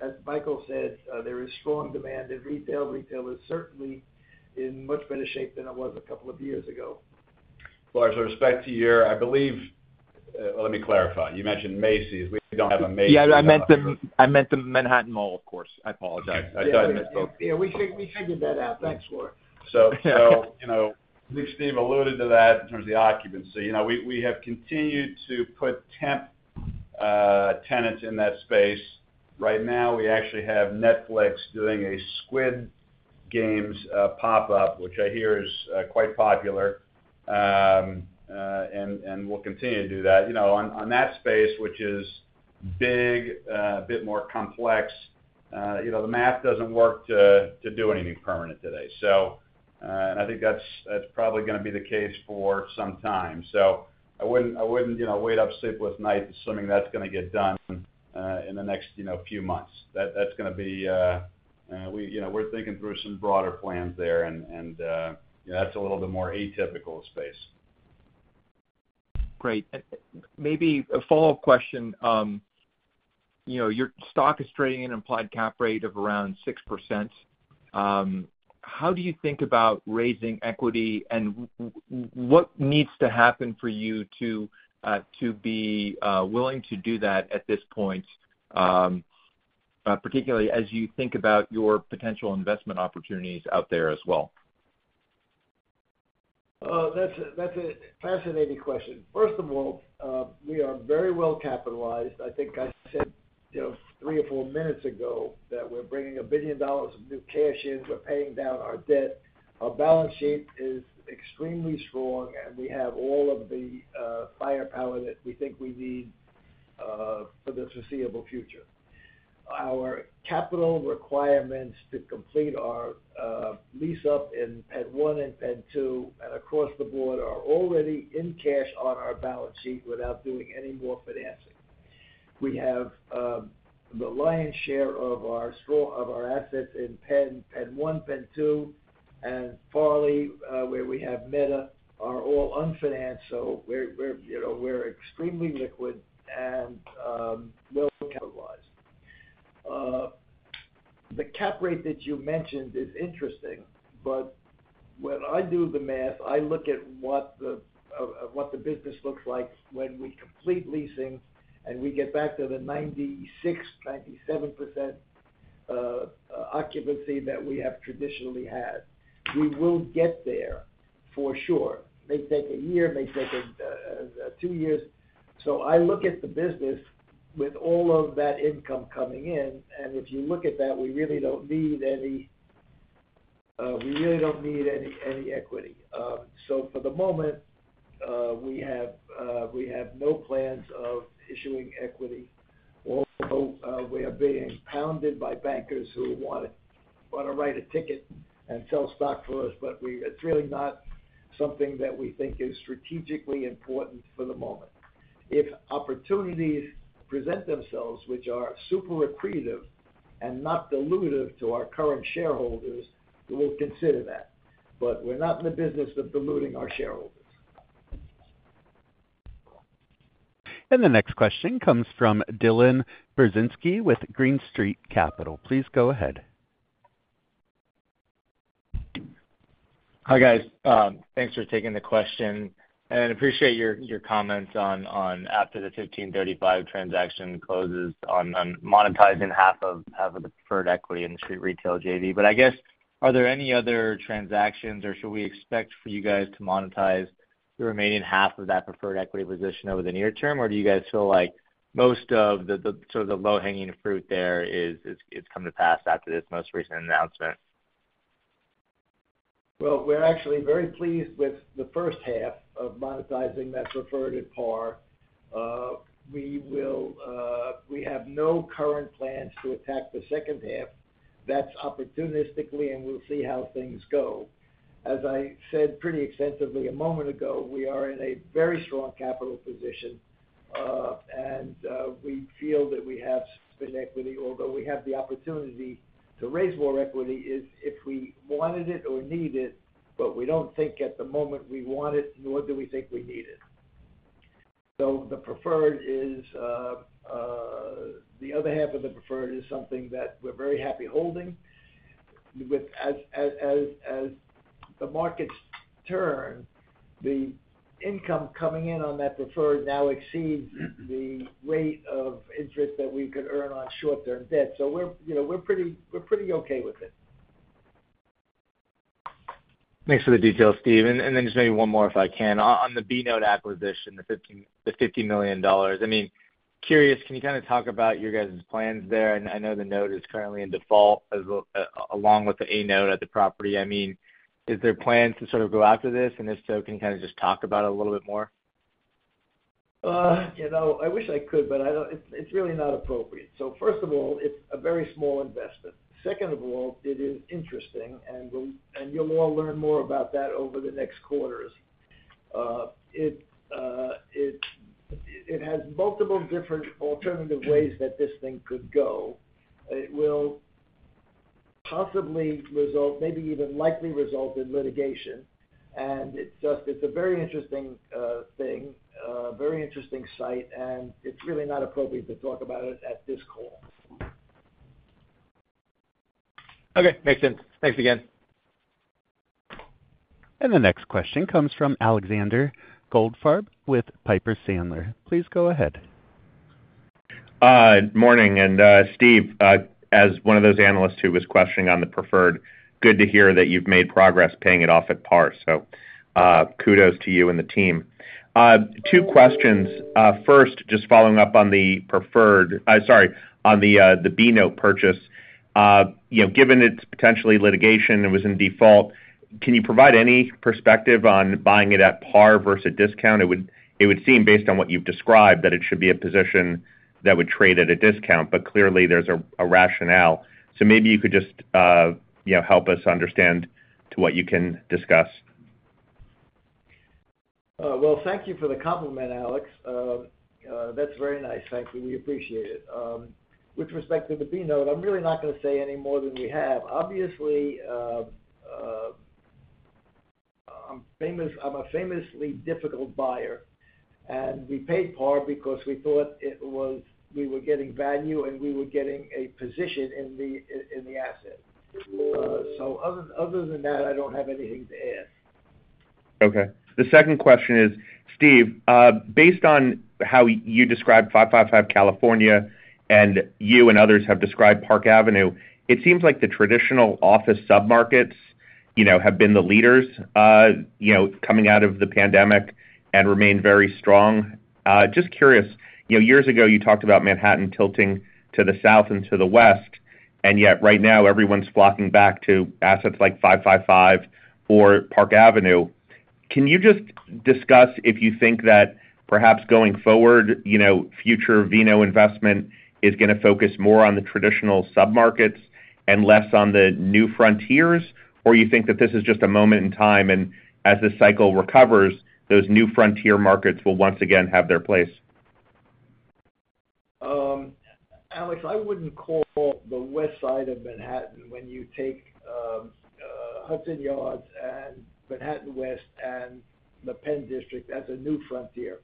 As Michael said, there is strong demand in retail. Retail is certainly in much better shape than it was a couple of years ago. Floris, with respect to your, I believe, well, let me clarify. You mentioned Macy's. We don't have a Macy's. Yeah. I meant the Manhattan Mall, of course. I apologize. I thought I missed both. Yeah. We figured that out. Thanks, Floris. So I think Steve alluded to that in terms of the occupancy. We have continued to put temp tenants in that space. Right now, we actually have Netflix doing a Squid Game pop-up, which I hear is quite popular, and we'll continue to do that. On that space, which is big, a bit more complex, the math doesn't work to do anything permanent today. And I think that's probably going to be the case for some time. So I wouldn't wait up sleepless nights assuming that's going to get done in the next few months. That's going to be. We're thinking through some broader plans there, and that's a little bit more atypical space. Great. Maybe a follow-up question. Your stock is trading at an implied cap rate of around 6%. How do you think about raising equity, and what needs to happen for you to be willing to do that at this point, particularly as you think about your potential investment opportunities out there as well? That's a fascinating question. First of all, we are very well capitalized. I think I said three or four minutes ago that we're bringing $1 billion of new cash in. We're paying down our debt. Our balance sheet is extremely strong, and we have all of the firepower that we think we need for the foreseeable future. Our capital requirements to complete our lease-up in PENN 1 and PENN 2 and across the board are already in cash on our balance sheet without doing any more financing. We have the lion's share of our assets in PENN 1 and PENN 2, and Farley, where we have Meta, are all unfinanced. So we're extremely liquid and well capitalized. The cap rate that you mentioned is interesting, but when I do the math, I look at what the business looks like when we complete leasing and we get back to the 96%, 97% occupancy that we have traditionally had. We will get there for sure. It may take a year. It may take two years, so I look at the business with all of that income coming in, and if you look at that, we really don't need any equity, so for the moment, we have no plans of issuing equity, although we are being pounded by bankers who want to write a ticket and sell stock for us, but it's really not something that we think is strategically important for the moment. If opportunities present themselves, which are super accretive and not dilutive to our current shareholders, we will consider that. But we're not in the business of diluting our shareholders. The next question comes from Dylan Burzinski with Green Street. Please go ahead. Hi, guys. Thanks for taking the question. I appreciate your comments on after the 1535 transaction closes on monetizing half of the preferred equity in the street retail. But I guess, are there any other transactions, or should we expect for you guys to monetize the remaining half of that preferred equity position over the near term, or do you guys feel like most of the sort of the low-hanging fruit there has come to pass after this most recent announcement? We're actually very pleased with the first half of monetizing that preferred at par. We have no current plans to attack the second half. That's opportunistically, and we'll see how things go. As I said pretty extensively a moment ago, we are in a very strong capital position, and we feel that we have sufficient equity, although we have the opportunity to raise more equity if we wanted it or need it, but we don't think at the moment we want it, nor do we think we need it. The preferred is the other half of the preferred is something that we're very happy holding. As the markets turn, the income coming in on that preferred now exceeds the rate of interest that we could earn on short-term debt. We're pretty okay with it. Thanks for the details, Steve. And then just maybe one more if I can. On the B-Note acquisition, the $50 million, I mean, curious, can you kind of talk about your guys' plans there? And I know the note is currently in default along with the A-Note at the property. I mean, is there plans to sort of go after this? And if so, can you kind of just talk about it a little bit more? I wish I could, but it's really not appropriate. So first of all, it's a very small investment. Second of all, it is interesting, and you'll all learn more about that over the next quarters. It has multiple different alternative ways that this thing could go. It will possibly result, maybe even likely result in litigation, and it's a very interesting thing, a very interesting site, and it's really not appropriate to talk about it at this call. Okay. Makes sense. Thanks again. The next question comes from Alexander Goldfarb with Piper Sandler. Please go ahead. Good morning. And Steve, as one of those analysts who was questioning on the preferred, good to hear that you've made progress paying it off at par. So kudos to you and the team. Two questions. First, just following up on the preferred, sorry, on the B-Note purchase. Given its potential litigation and was in default, can you provide any perspective on buying it at par versus a discount? It would seem, based on what you've described, that it should be a position that would trade at a discount, but clearly, there's a rationale. So maybe you could just help us understand to what you can discuss. Thank you for the compliment, Alex. That's very nice. Thank you. We appreciate it. With respect to the B-Note, I'm really not going to say any more than we have. Obviously, I'm a famously difficult buyer, and we paid par because we thought we were getting value, and we were getting a position in the asset. So other than that, I don't have anything to add. Okay. The second question is, Steve, based on how you described 555 California and you and others have described Park Avenue, it seems like the traditional office sub-markets have been the leaders coming out of the pandemic and remain very strong. Just curious, years ago, you talked about Manhattan tilting to the south and to the west, and yet right now, everyone's flocking back to assets like 555 or Park Avenue. Can you just discuss if you think that perhaps going forward, future VNO investment is going to focus more on the traditional sub-markets and less on the new frontiers, or you think that this is just a moment in time, and as the cycle recovers, those new frontier markets will once again have their place? Alex, I wouldn't call the west side of Manhattan when you take Hudson Yards and Manhattan West and the PENN District as a new frontier.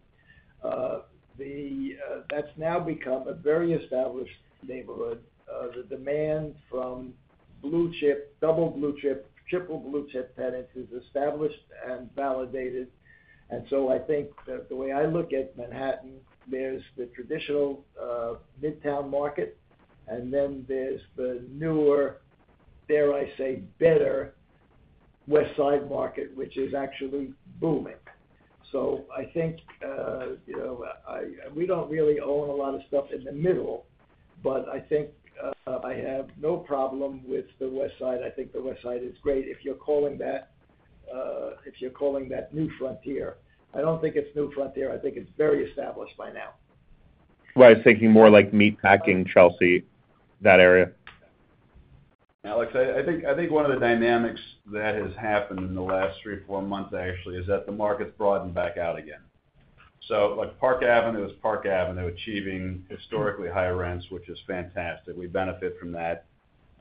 That's now become a very established neighborhood. The demand from blue chip, double blue chip, triple blue-chip tenants is established and validated. And so I think the way I look at Manhattan, there's the traditional midtown market, and then there's the newer, dare I say, better west side market, which is actually booming. So I think we don't really own a lot of stuff in the middle, but I think I have no problem with the west side. I think the west side is great if you're calling that new frontier. I don't think it's new frontier. I think it's very established by now. I was thinking more like Meatpacking, Chelsea, that area. Alex, I think one of the dynamics that has happened in the last three, four months, actually, is that the market's broadened back out again. So Park Avenue is Park Avenue, achieving historically high rents, which is fantastic. We benefit from that,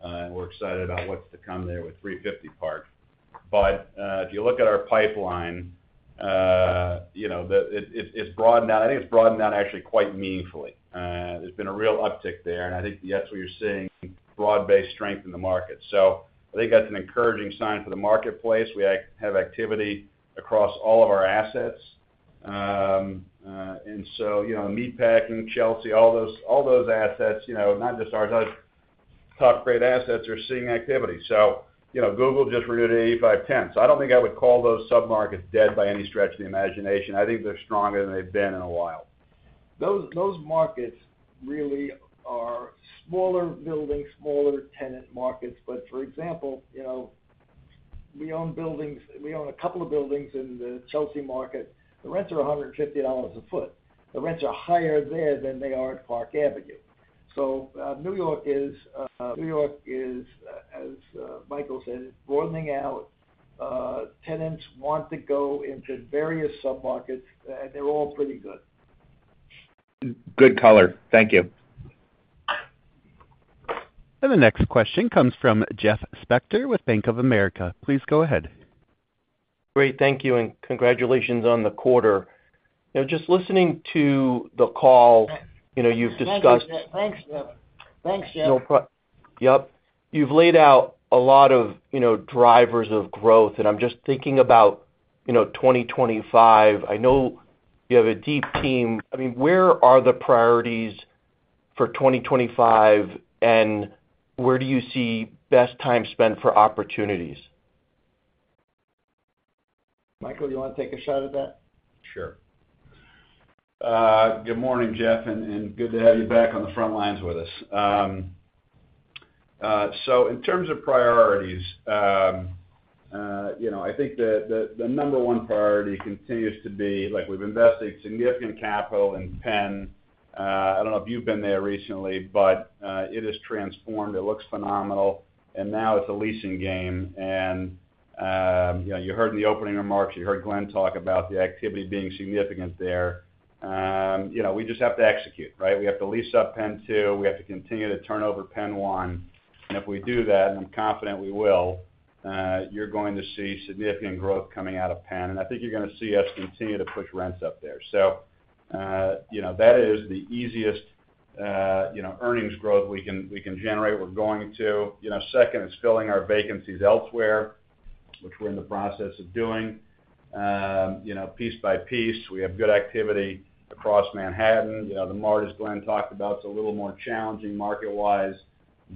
and we're excited about what's to come there with 350 Park. But if you look at our pipeline, it's broadened out. I think it's broadened out actually quite meaningfully. There's been a real uptick there, and I think that's what you're seeing: broad-based strength in the market. So I think that's an encouraging sign for the marketplace. We have activity across all of our assets. And so Meatpacking, Chelsea, all those assets, not just ours, top-grade assets, are seeing activity. So Google just 85 Tenth Avenue. So I don't think I would call those sub-markets dead by any stretch of the imagination. I think they're stronger than they've been in a while. Those markets really are smaller buildings, smaller tenant markets. But for example, we own buildings, we own a couple of buildings in the Chelsea market. The rents are $150 a foot. The rents are higher there than they are at Park Avenue, so New York is, as Michael said, broadening out. Tenants want to go into various sub-markets, and they're all pretty good. Good color. Thank you. The next question comes from Jeff Spector with Bank of America. Please go ahead. Great. Thank you, and congratulations on the quarter. Just listening to the call, you've discussed. Thanks, Jeff. Thanks, Jeff. No problem. Yep. You've laid out a lot of drivers of growth, and I'm just thinking about 2025. I know you have a deep team. I mean, where are the priorities for 2025, and where do you see best time spent for opportunities? Michael, you want to take a shot at that? Sure. Good morning, Jeff, and good to have you back on the front lines with us. So in terms of priorities, I think the number one priority continues to be we've invested significant capital in PENN. I don't know if you've been there recently, but it has transformed. It looks phenomenal, and now it's a leasing game. And you heard in the opening remarks, you heard Glen talk about the activity being significant there. We just have to execute, right? We have to lease up PENN 2. We have to continue to turn over PENN 1. And if we do that—and I'm confident we will—you're going to see significant growth coming out of PENN, and I think you're going to see us continue to push rents up there. So that is the easiest earnings growth we can generate. We're going to. Second, it's filling our vacancies elsewhere, which we're in the process of doing piece by piece. We have good activity across Manhattan. The Mart, as Glen talked about, it's a little more challenging market-wise,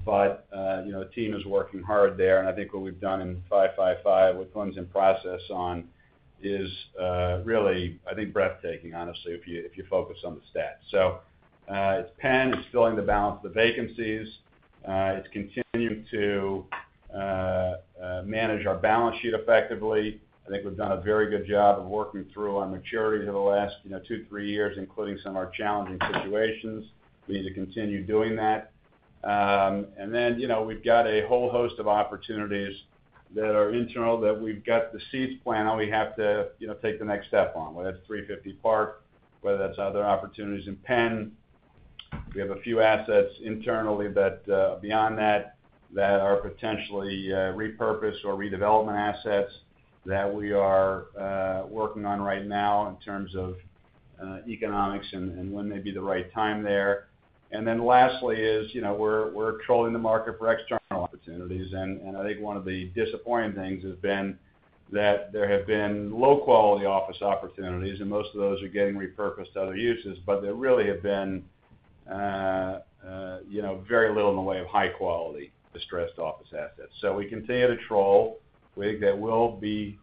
but the team is working hard there. And I think what we've done in 555, what Glen's in process on, is really, I think, breathtaking, honestly, if you focus on the stats. So it's PENN. It's filling the balance of the vacancies. It's continuing to manage our balance sheet effectively. I think we've done a very good job of working through our maturity over the last two, three years, including some of our challenging situations. We need to continue doing that. And then we've got a whole host of opportunities that are internal that we've got the seeds plant. We have to take the next step on whether that's 350 Park, whether that's other opportunities in PENN. We have a few assets internally that, beyond that, are potentially repurpose or redevelopment assets that we are working on right now in terms of economics and when may be the right time there. And then lastly is we're controlling the market for external opportunities. And I think one of the disappointing things has been that there have been low-quality office opportunities, and most of those are getting repurposed to other uses, but there really have been very little in the way of high-quality distressed office assets. So we continue to troll. We think there will be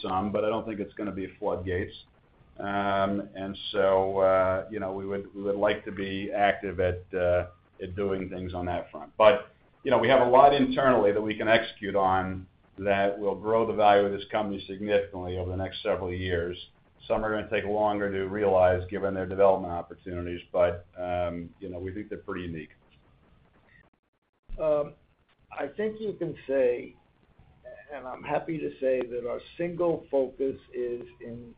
some, but I don't think it's going to be floodgates. And so we would like to be active at doing things on that front. But we have a lot internally that we can execute on that will grow the value of this company significantly over the next several years. Some are going to take longer to realize given their development opportunities, but we think they're pretty unique. I think you can say, and I'm happy to say, that our single focus is in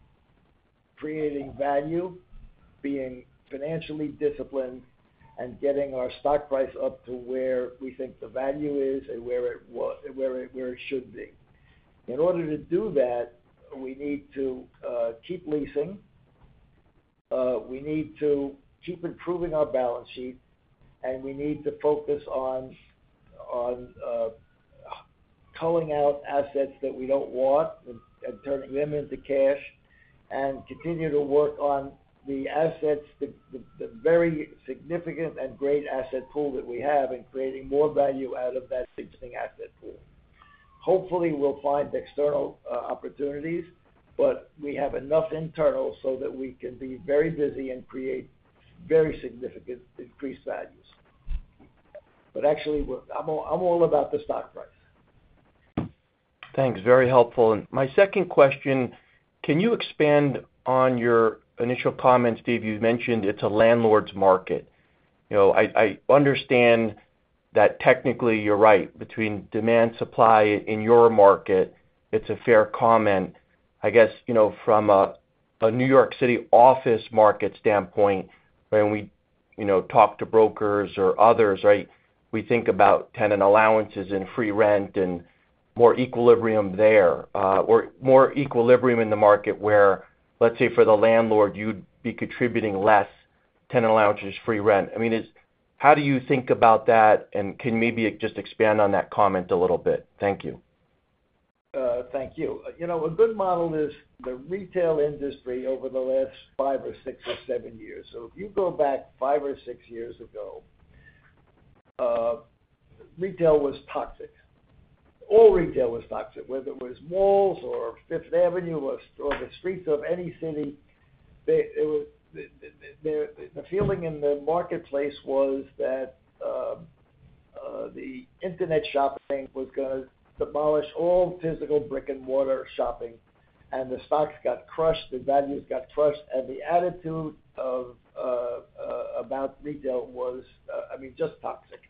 creating value, being financially disciplined, and getting our stock price up to where we think the value is and where it should be. In order to do that, we need to keep leasing. We need to keep improving our balance sheet, and we need to focus on culling out assets that we don't want and turning them into cash and continue to work on the assets, the very significant and great asset pool that we have, and creating more value out of that existing asset pool. Hopefully, we'll find external opportunities, but we have enough internal so that we can be very busy and create very significant increased values. But actually, I'm all about the stock price. Thanks. Very helpful. And my second question, can you expand on your initial comments? Steve, you've mentioned it's a landlord's market. I understand that technically you're right between demand and supply in your market. It's a fair comment. I guess from a New York City office market standpoint, when we talk to brokers or others, right, we think about tenant allowances and free rent and more equilibrium there or more equilibrium in the market where, let's say, for the landlord, you'd be contributing less tenant allowances and free rent. I mean, how do you think about that? And can maybe just expand on that comment a little bit? Thank you. Thank you. A good model is the retail industry over the last five or six or seven years. So if you go back five or six years ago, retail was toxic. All retail was toxic, whether it was malls or Fifth Avenue or the streets of any city. The feeling in the marketplace was that the internet shopping was going to demolish all physical brick-and-mortar shopping, and the stocks got crushed. The values got crushed, and the attitude about retail was, I mean, just toxic.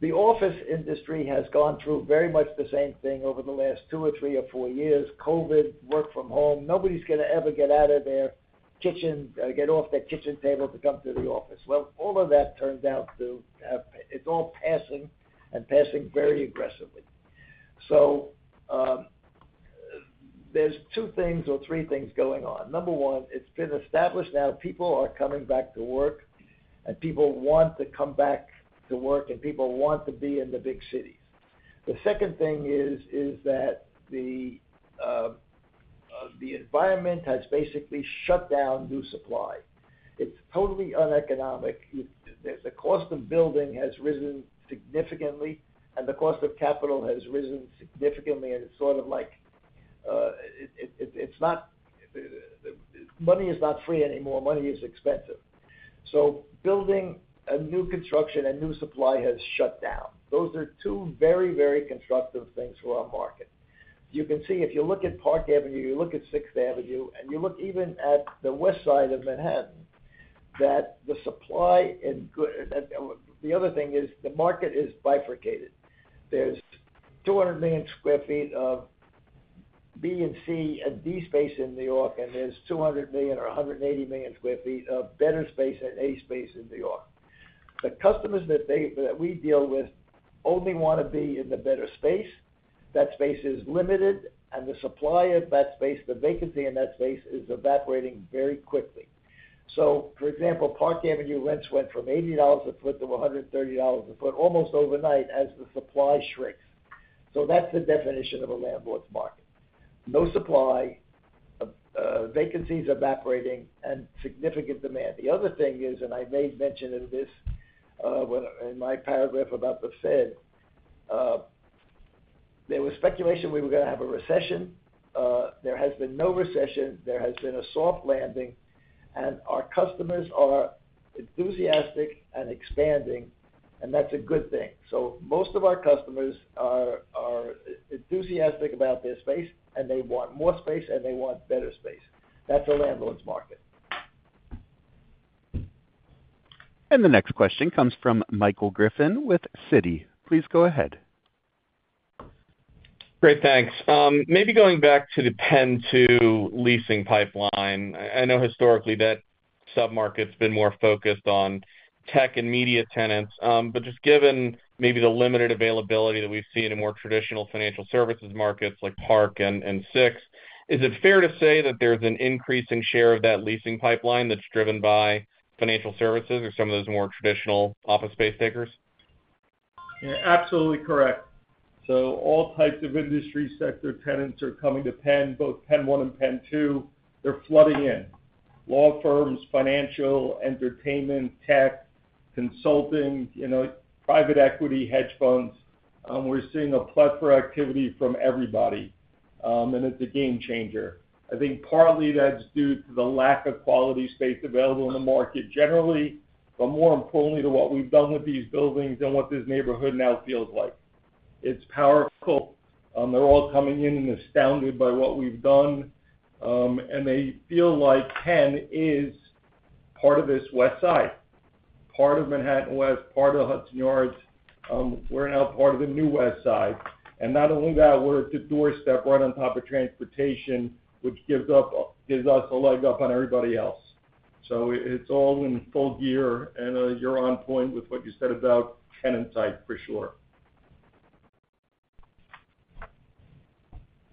The office industry has gone through very much the same thing over the last two or three or four years: COVID, work from home. Nobody's going to ever get out of their kitchen, get off their kitchen table to come to the office. Well, all of that turns out to have. It's all passing and passing very aggressively. There's two things or three things going on. Number one, it's been established now. People are coming back to work, and people want to come back to work, and people want to be in the big cities. The second thing is that the environment has basically shut down new supply. It's totally uneconomic. The cost of building has risen significantly, and the cost of capital has risen significantly. And it's sort of like money is not free anymore. Money is expensive. So building a new construction and new supply has shut down. Those are two very, very constructive things for our market. You can see if you look at Park Avenue, you look at Sixth Avenue, and you look even at the west side of Manhattan, that the supply. The other thing is the market is bifurcated. There's 200 million sq ft of B and C and D space in New York, and there's 200 million or 180 million sq ft of better space and A space in New York. The customers that we deal with only want to be in the better space. That space is limited, and the supply of that space, the vacancy in that space, is evaporating very quickly. So, for example, Park Avenue rents went from $80 a foot to $130 a foot almost overnight as the supply shrinks. So that's the definition of a landlord's market: no supply, vacancies evaporating, and significant demand. The other thing is, and I may have mentioned this in my paragraph about the Fed, there was speculation we were going to have a recession. There has been no recession. There has been a soft landing, and our customers are enthusiastic and expanding, and that's a good thing. So most of our customers are enthusiastic about their space, and they want more space, and they want better space. That's a landlord's market. The next question comes from Michael Griffin with Citi. Please go ahead. Great. Thanks. Maybe going back to the PENN 2 leasing pipeline, I know historically that sub-market's been more focused on tech and media tenants. But just given maybe the limited availability that we've seen in more traditional financial services markets like Park and Sixth, is it fair to say that there's an increasing share of that leasing pipeline that's driven by financial services or some of those more traditional office space takers? Yeah. Absolutely correct. So all types of industry sector tenants are coming to PENN, both PENN 1 and PENN 2. They're flooding in: law firms, financial, entertainment, tech, consulting, private equity, hedge funds. We're seeing a plethora of activity from everybody, and it's a game changer. I think partly that's due to the lack of quality space available in the market generally, but more importantly to what we've done with these buildings and what this neighborhood now feels like. It's powerful. They're all coming in and astounded by what we've done, and they feel like PENN is part of this west side, part of Manhattan West, part of Hudson Yards. We're now part of the new west side. And not only that, we're at the doorstep right on top of transportation, which gives us a leg up on everybody else. So it's all in full gear, and you're on point with what you said about tenant type for sure.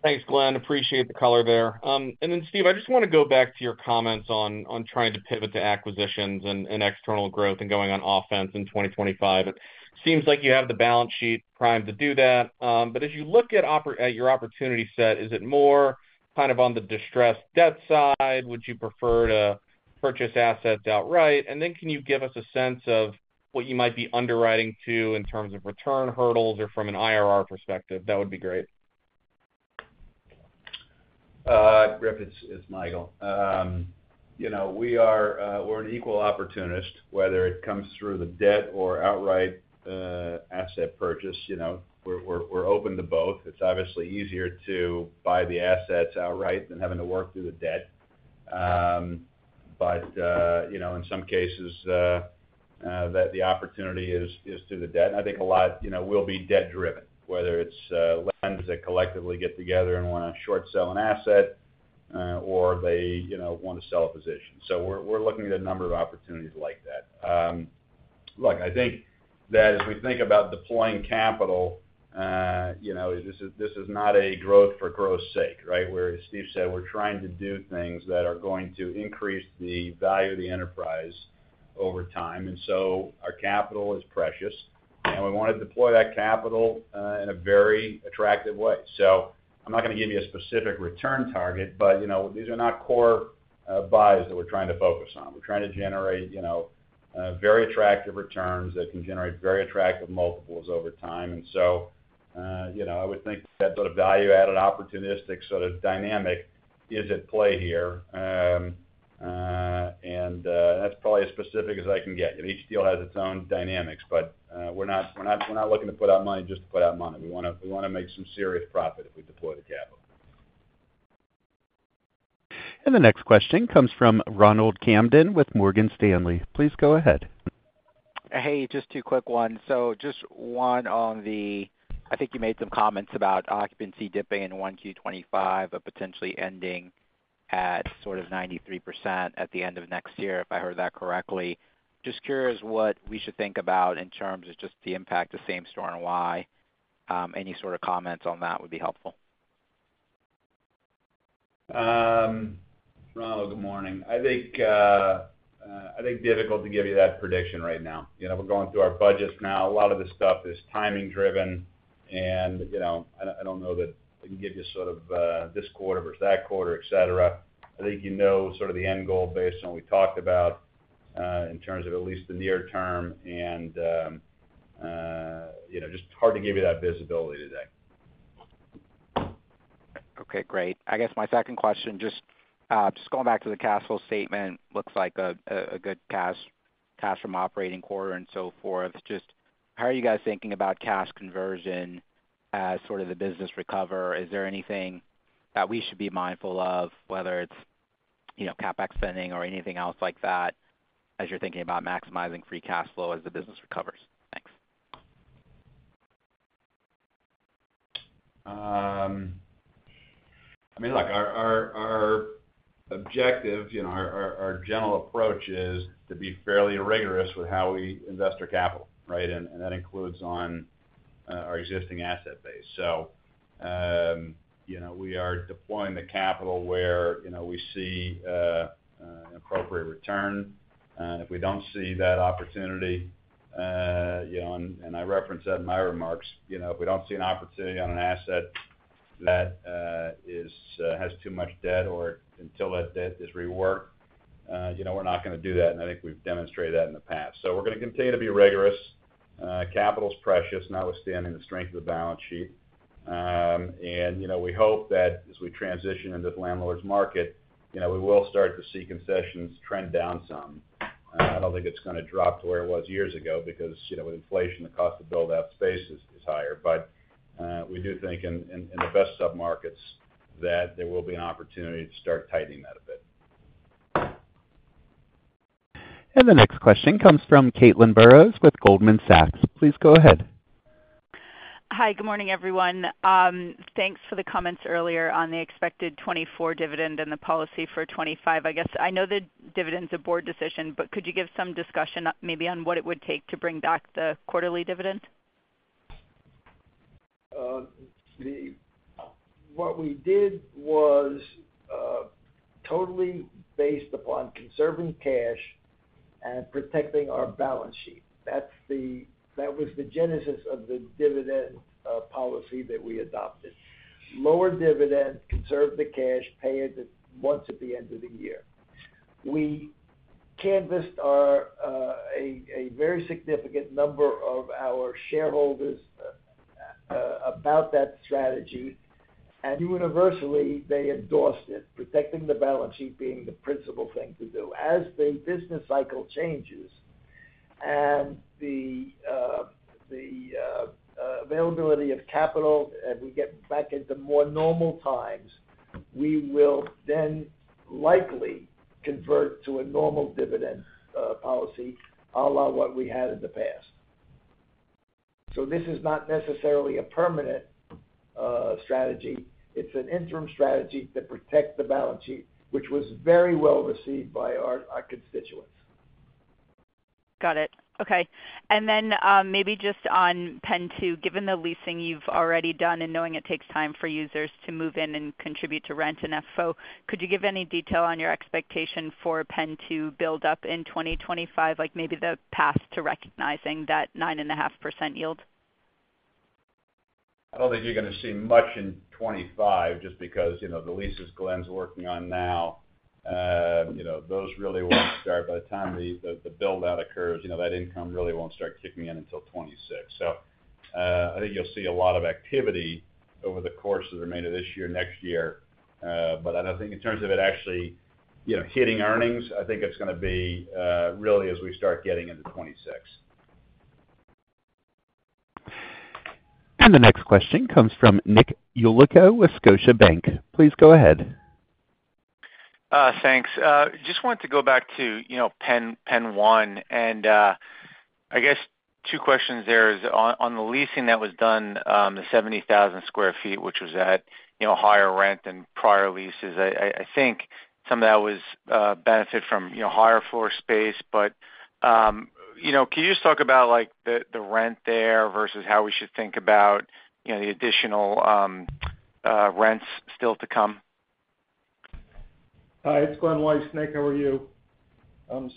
Thanks, Glen. Appreciate the color there. And then, Steve, I just want to go back to your comments on trying to pivot to acquisitions and external growth and going on offense in 2025. It seems like you have the balance sheet primed to do that. But as you look at your opportunity set, is it more kind of on the distressed debt side? Would you prefer to purchase assets outright? And then can you give us a sense of what you might be underwriting to in terms of return hurdles or from an IRR perspective? That would be great. Griffin, it's Michael. We're an equal opportunist, whether it comes through the debt or outright asset purchase. We're open to both. It's obviously easier to buy the assets outright than having to work through the debt, but in some cases, the opportunity is through the debt, and I think a lot will be debt-driven, whether it's lenders that collectively get together and want to short-sell an asset or they want to sell a position, so we're looking at a number of opportunities like that. Look, I think that as we think about deploying capital, this is not a growth for growth's sake, right? Whereas Steve said, we're trying to do things that are going to increase the value of the enterprise over time, and so our capital is precious, and we want to deploy that capital in a very attractive way. I'm not going to give you a specific return target, but these are not core buys that we're trying to focus on. We're trying to generate very attractive returns that can generate very attractive multiples over time. I would think that sort of value-added opportunistic sort of dynamic is at play here. That's probably as specific as I can get. Each deal has its own dynamics, but we're not looking to put out money just to put out money. We want to make some serious profit if we deploy the capital. The next question comes from Ronald Kamdem with Morgan Stanley. Please go ahead. Hey, just two quick ones. So just one on the, I think you made some comments about occupancy dipping in 1Q 2025, potentially ending at sort of 93% at the end of next year, if I heard that correctly. Just curious what we should think about in terms of just the impact of Starrett-Lehigh. Any sort of comments on that would be helpful. Ronald, good morning. I think difficult to give you that prediction right now. We're going through our budgets now. A lot of this stuff is timing-driven, and I don't know that I can give you sort of this quarter versus that quarter, etc. I think you know sort of the end goal based on what we talked about in terms of at least the near term, and just hard to give you that visibility today. Okay. Great. I guess my second question, just going back to the cash flow statement, looks like a good cash from operating quarter and so forth. Just how are you guys thinking about cash conversion as sort of the business recovers? Is there anything that we should be mindful of, whether it's CapEx spending or anything else like that, as you're thinking about maximizing free cash flow as the business recovers? Thanks. I mean, look, our objective, our general approach is to be fairly rigorous with how we invest our capital, right? And that includes on our existing asset base. So we are deploying the capital where we see an appropriate return. If we don't see that opportunity, and I referenced that in my remarks, if we don't see an opportunity on an asset that has too much debt or until that debt is reworked, we're not going to do that. And I think we've demonstrated that in the past. So we're going to continue to be rigorous. Capital's precious, notwithstanding the strength of the balance sheet. And we hope that as we transition into the landlord's market, we will start to see concessions trend down some. I don't think it's going to drop to where it was years ago because with inflation, the cost to build that space is higher. But we do think in the best sub-markets that there will be an opportunity to start tightening that a bit. The next question comes from Caitlin Burrows with Goldman Sachs. Please go ahead. Hi. Good morning, everyone. Thanks for the comments earlier on the expected 2024 dividend and the policy for 2025. I guess I know the dividend's a board decision, but could you give some discussion maybe on what it would take to bring back the quarterly dividend? What we did was totally based upon conserving cash and protecting our balance sheet. That was the genesis of the dividend policy that we adopted: lower dividend, conserve the cash, pay it once at the end of the year. We canvassed a very significant number of our shareholders about that strategy, and universally, they endorsed it, protecting the balance sheet being the principal thing to do. As the business cycle changes and the availability of capital and we get back into more normal times, we will then likely convert to a normal dividend policy, a la what we had in the past. So this is not necessarily a permanent strategy. It's an interim strategy to protect the balance sheet, which was very well received by our constituents. Got it. Okay. And then maybe just on PENN 2, given the leasing you've already done and knowing it takes time for users to move in and contribute to rent and FFO, could you give any detail on your expectation for PENN 2 build-up in 2025, like maybe the path to recognizing that 9.5% yield? I don't think you're going to see much in 2025 just because the leases Glen's working on now. Those really won't start by the time the build-out occurs. That income really won't start kicking in until 2026. So I think you'll see a lot of activity over the course of the remainder of this year, next year. But I think in terms of it actually hitting earnings, I think it's going to be really as we start getting into 2026. The next question comes from Nick Yulico with Scotiabank. Please go ahead. Thanks. Just wanted to go back to PENN 1. And I guess two questions there is on the leasing that was done, the 70,000 sq ft, which was at higher rent than prior leases. I think some of that was benefit from higher floor space. But can you just talk about the rent there versus how we should think about the additional rents still to come? Hi. It's Glen Weiss. How are you?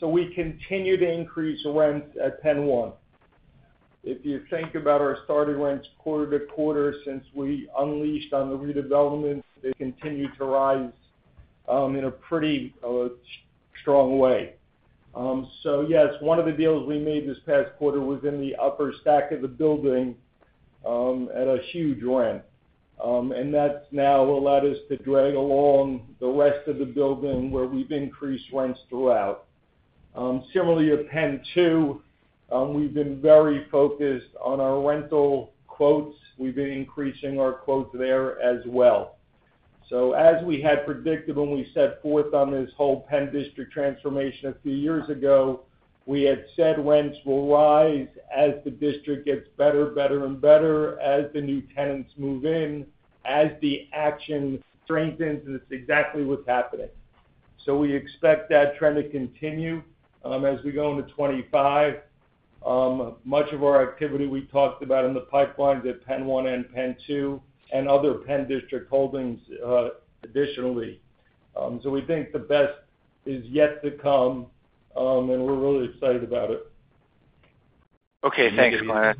So we continue to increase rents at PENN 1. If you think about our starting rents quarter to quarter since we unleashed on the redevelopment, they continue to rise in a pretty strong way. So yes, one of the deals we made this past quarter was in the upper stack of the building at a huge rent. And that's now allowed us to drag along the rest of the building where we've increased rents throughout. Similarly, at PENN 2, we've been very focused on our rental quotes. We've been increasing our quotes there as well. So as we had predicted when we set forth on this whole PENN District transformation a few years ago, we had said rents will rise as the district gets better, better, and better as the new tenants move in, as the action strengthens, and it's exactly what's happening. We expect that trend to continue as we go into 2025. Much of our activity we talked about in the pipelines at PENN 1 and PENN 2 and other PENN District holdings additionally. We think the best is yet to come, and we're really excited about it. Okay. Thanks, Glen.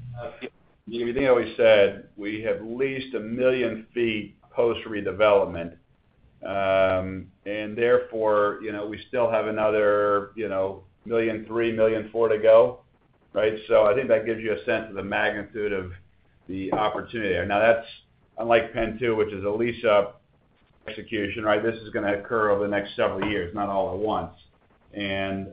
You know what he said. We have leased 1 million sq ft post-redevelopment, and therefore we still have another 1.3 million, 1.4 million to go, right? So I think that gives you a sense of the magnitude of the opportunity there. Now, that's unlike PENN 2, which is a lease-up execution, right? This is going to occur over the next several years, not all at once. And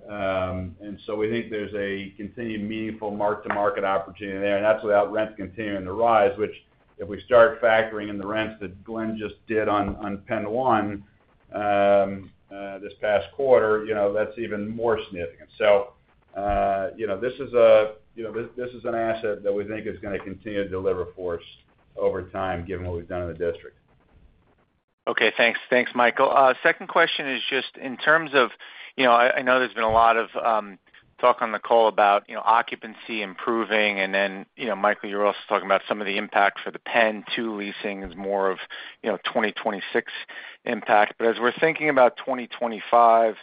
so we think there's a continued meaningful mark-to-market opportunity there. And that's without rents continuing to rise, which if we start factoring in the rents that Glen just did on PENN 1 this past quarter, that's even more significant. So this is an asset that we think is going to continue to deliver for us over time, given what we've done in the district. Okay. Thanks. Thanks, Michael. Second question is just in terms of, I know there's been a lot of talk on the call about occupancy improving, and then, Michael, you're also talking about some of the impact for the PENN 2 leasing is more of 2026 impact. But as we're thinking about 2025,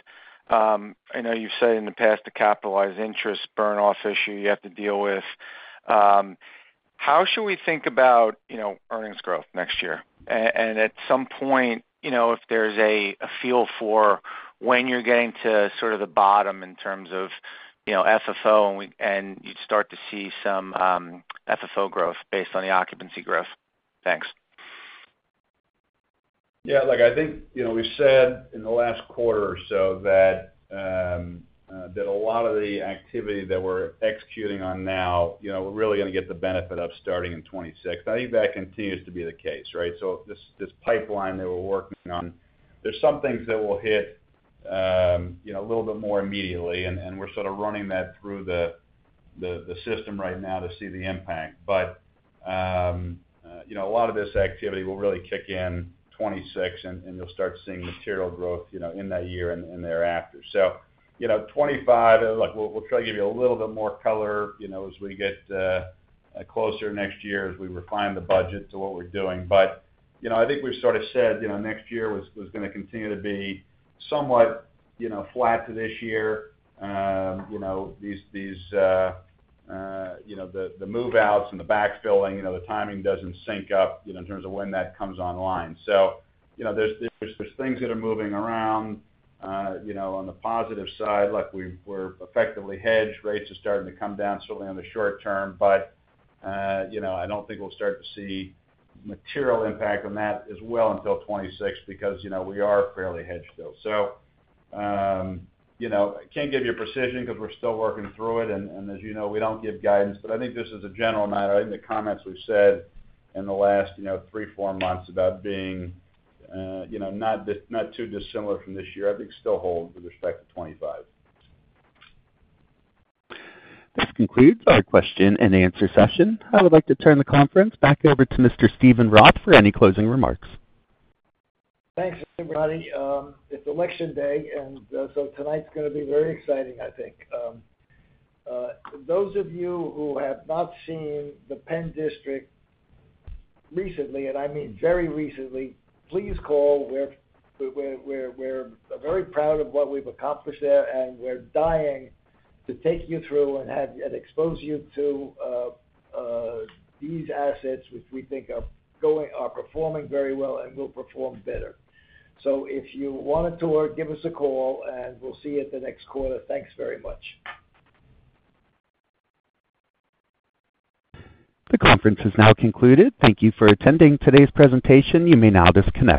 I know you've said in the past the capitalized interest burn-off issue you have to deal with. How should we think about earnings growth next year? And at some point, if there's a feel for when you're getting to sort of the bottom in terms of FFO, and you'd start to see some FFO growth based on the occupancy growth. Thanks. Yeah. Look, I think we've said in the last quarter or so that a lot of the activity that we're executing on now, we're really going to get the benefit of starting in 2026. I think that continues to be the case, right? So this pipeline that we're working on, there's some things that will hit a little bit more immediately, and we're sort of running that through the system right now to see the impact. But a lot of this activity will really kick in 2026, and you'll start seeing material growth in that year and thereafter. So 2025, look, we'll try to give you a little bit more color as we get closer to next year as we refine the budget to what we're doing. But I think we've sort of said next year was going to continue to be somewhat flat to this year. The move-outs and the backfilling, the timing doesn't sync up in terms of when that comes online, so there's things that are moving around on the positive side. Look, we're effectively hedged. Rates are starting to come down certainly on the short term, but I don't think we'll start to see material impact on that as well until 2026 because we are fairly hedged still, so I can't give you a precision because we're still working through it, and as you know, we don't give guidance, but I think this is a general matter. I think the comments we've said in the last three, four months about being not too dissimilar from this year, I think still hold with respect to 2025. This concludes our question-and-answer session. I would like to turn the conference back over to Mr. Steven Roth for any closing remarks. Thanks, everybody. It's Election Day, and so tonight's going to be very exciting, I think. Those of you who have not seen the PENN District recently, and I mean very recently, please call. We're very proud of what we've accomplished there, and we're dying to take you through and expose you to these assets, which we think are performing very well and will perform better. So if you wanted to, give us a call, and we'll see you at the next quarter. Thanks very much. The conference has now concluded. Thank you for attending today's presentation. You may now disconnect.